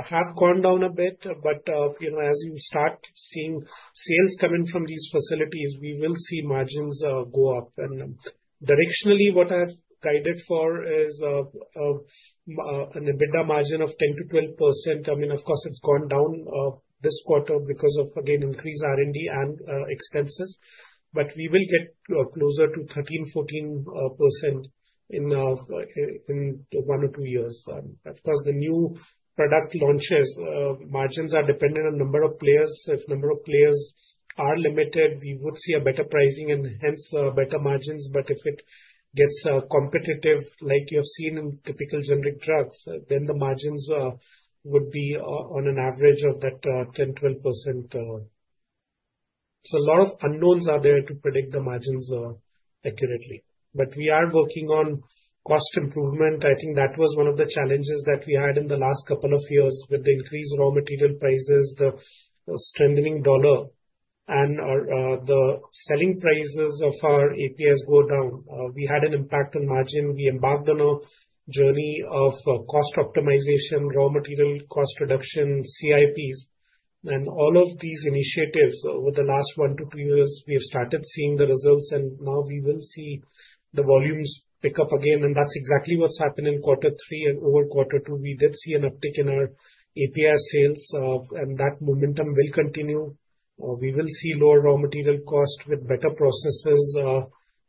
have gone down a bit, but as you start seeing sales come in from these facilities, we will see margins go up, and directionally, what I've guided for is an EBITDA margin of 10%-12%. I mean, of course, it's gone down this quarter because of, again, increased R&D and expenses, but we will get closer to 13%-14% in one or two years. Of course, the new product launches, margins are dependent on number of players. If number of players are limited, we would see better pricing and hence better margins, but if it gets competitive, like you have seen in typical generic drugs, then the margins would be on an average of that 10%-12%. So, a lot of unknowns are there to predict the margins accurately. But we are working on cost improvement. I think that was one of the challenges that we had in the last couple of years with the increased raw material prices, the strengthening dollar, and the selling prices of our APIs go down. We had an impact on margin. We embarked on a journey of cost optimization, raw material cost reduction, CIPs. And all of these initiatives over the last one to two years, we have started seeing the results. And now we will see the volumes pick up again. And that's exactly what's happened in quarter three. And over quarter two, we did see an uptick in our API sales. And that momentum will continue. We will see lower raw material cost with better processes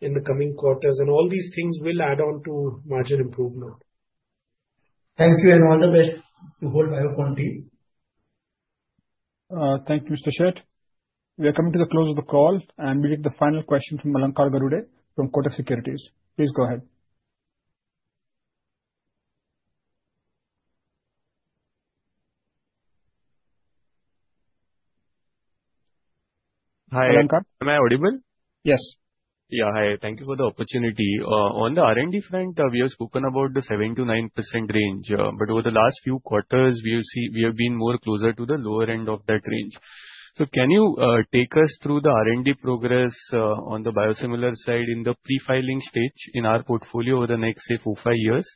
in the coming quarters. All these things will add on to margin improvement. Thank you. All the best to the whole Biocon team. Thank you, Mr. Sheth. We are coming to the close of the call. We take the final question from Alankar Garude from Kotak Securities. Please go ahead. Hi. Alankar. Am I audible? Yes. Yeah. Hi. Thank you for the opportunity. On the R&D front, we have spoken about the 7%-9% range. But over the last few quarters, we have been more closer to the lower end of that range. So, can you take us through the R&D progress on the biosimilar side in the pre-filing stage in our portfolio over the next, say, four, five years?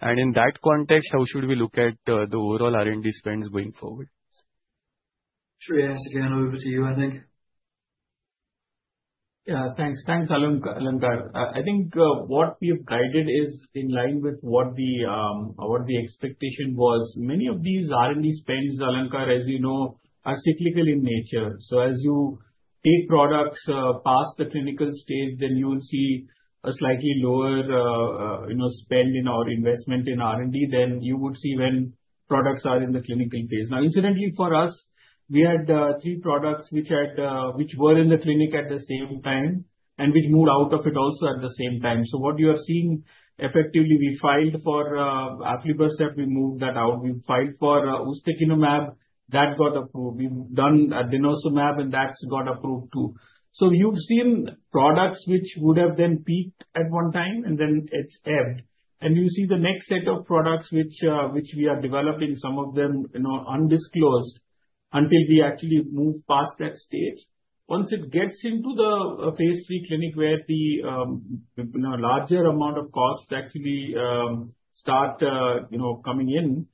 And in that context, how should we look at the overall R&D spends going forward? Sure. Yeah. Shreehas, over to you, I think. Yeah. Thanks. Thanks, Alankar. I think what we have guided is in line with what the expectation was. Many of these R&D spends, Alankar, as you know, are cyclical in nature. So, as you take products past the clinical stage, then you will see a slightly lower spend in our investment in R&D than you would see when products are in the clinical phase. Now, incidentally, for us, we had three products which were in the clinic at the same time and which moved out of it also at the same time. So, what you are seeing effectively, we filed for Aflibercept. We moved that out. We filed for Ustekinumab. That got approved. We've done Denosumab, and that's got approved too. So, you've seen products which would have then peaked at one time, and then it's ebbed. You see the next set of products which we are developing, some of them undisclosed until we actually move past that stage. Once it gets into the phase three clinic where the larger amount of costs actually start coming in,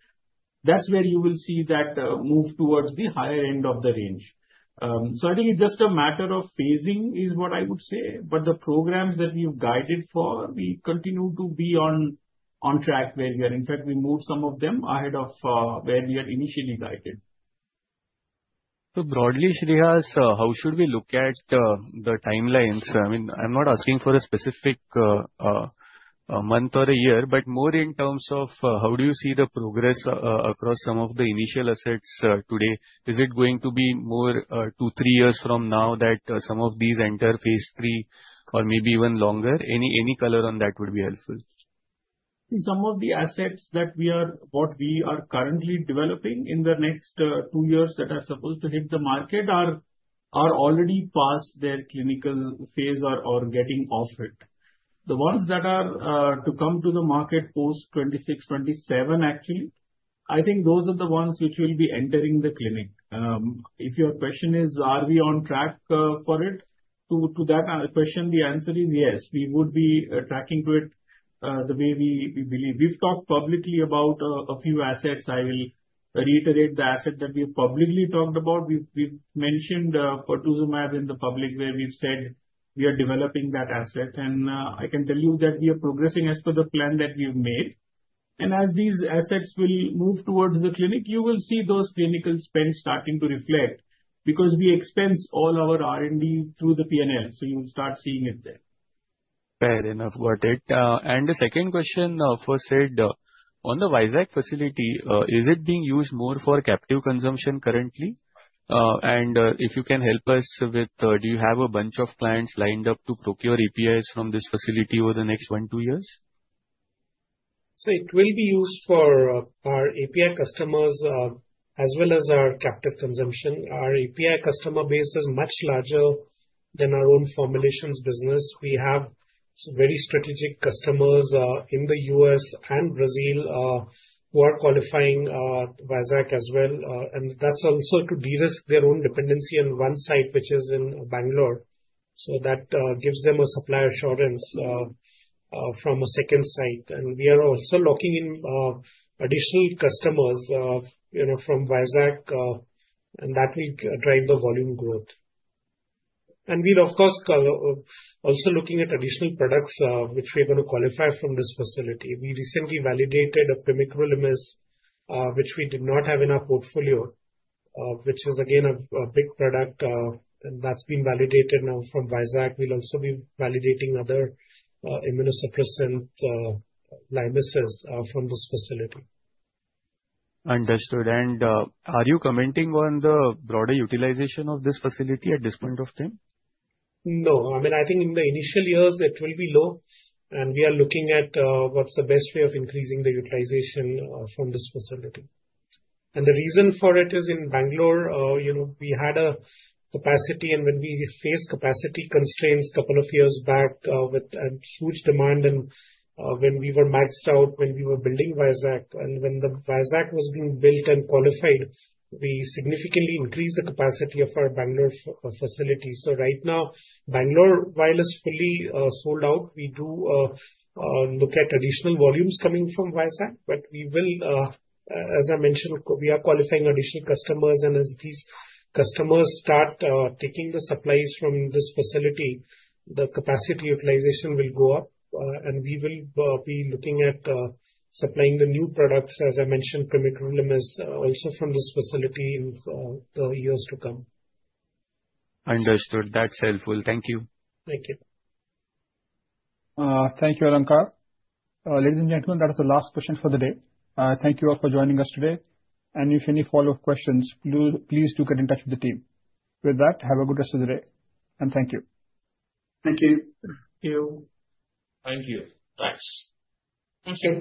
that's where you will see that move towards the higher end of the range. I think it's just a matter of phasing is what I would say. But the programs that we've guided for, we continue to be on track where we are. In fact, we moved some of them ahead of where we had initially guided. Broadly, Shreehas, how should we look at the timelines? I mean, I'm not asking for a specific month or a year, but more in terms of how do you see the progress across some of the initial assets today? Is it going to be more two, three years from now that some of these enter phase three or maybe even longer? Any color on that would be helpful. Some of the assets that we are currently developing in the next two years that are supposed to hit the market are already past their clinical phase or getting off it. The ones that are to come to the market post 2026, 2027, actually, I think those are the ones which will be entering the clinic. If your question is, are we on track for it? To that question, the answer is yes. We would be tracking to it the way we believe. We've talked publicly about a few assets. I will reiterate the asset that we have publicly talked about. We've mentioned Pertuzumab in the public where we've said we are developing that asset. I can tell you that we are progressing as per the plan that we've made. As these assets will move towards the clinic, you will see those clinical spends starting to reflect because we expense all our R&D through the P&L. So, you will start seeing it there. Fair. I've got it. The second question, for Siddharth, on the Vizag facility, is it being used more for captive consumption currently? If you can help us with, do you have a bunch of clients lined up to procure APIs from this facility over the next one, two years? So, it will be used for our API customers as well as our captive consumption. Our API customer base is much larger than our own formulations business. We have very strategic customers in the U.S. and Brazil who are qualifying Vizag as well. And that's also to de-risk their own dependency on one site, which is in Bengaluru. So, that gives them a supply assurance from a second site. And we are also locking in additional customers from Vizag, and that will drive the volume growth. And we're, of course, also looking at additional products which we are going to qualify from this facility. We recently validated a Pimecrolimus, which we did not have in our portfolio, which is, again, a big product. And that's been validated now from Vizag. We'll also be validating other immunosuppressant APIs from this facility. Understood. And are you commenting on the broader utilization of this facility at this point of time? No. I mean, I think in the initial years, it will be low. And we are looking at what's the best way of increasing the utilization from this facility. And the reason for it is in Bangalore, we had a capacity. And when we faced capacity constraints a couple of years back with huge demand and when we were maxed out when we were building Vizag. And when the Vizag was being built and qualified, we significantly increased the capacity of our Bangalore facility. So, right now, Bangalore vial is fully sold out. We do look at additional volumes coming from Vizag. But we will, as I mentioned, we are qualifying additional customers. And as these customers start taking the supplies from this facility, the capacity utilization will go up. And we will be looking at supplying the new products, as I mentioned, Pimecrolimus, also from this facility in the years to come. Understood. That's helpful. Thank you. Thank you. Thank you, Alankar. Ladies and gentlemen, that is the last question for the day. Thank you all for joining us today. If any follow-up questions, please do get in touch with the team. With that, have a good rest of the day. Thank you.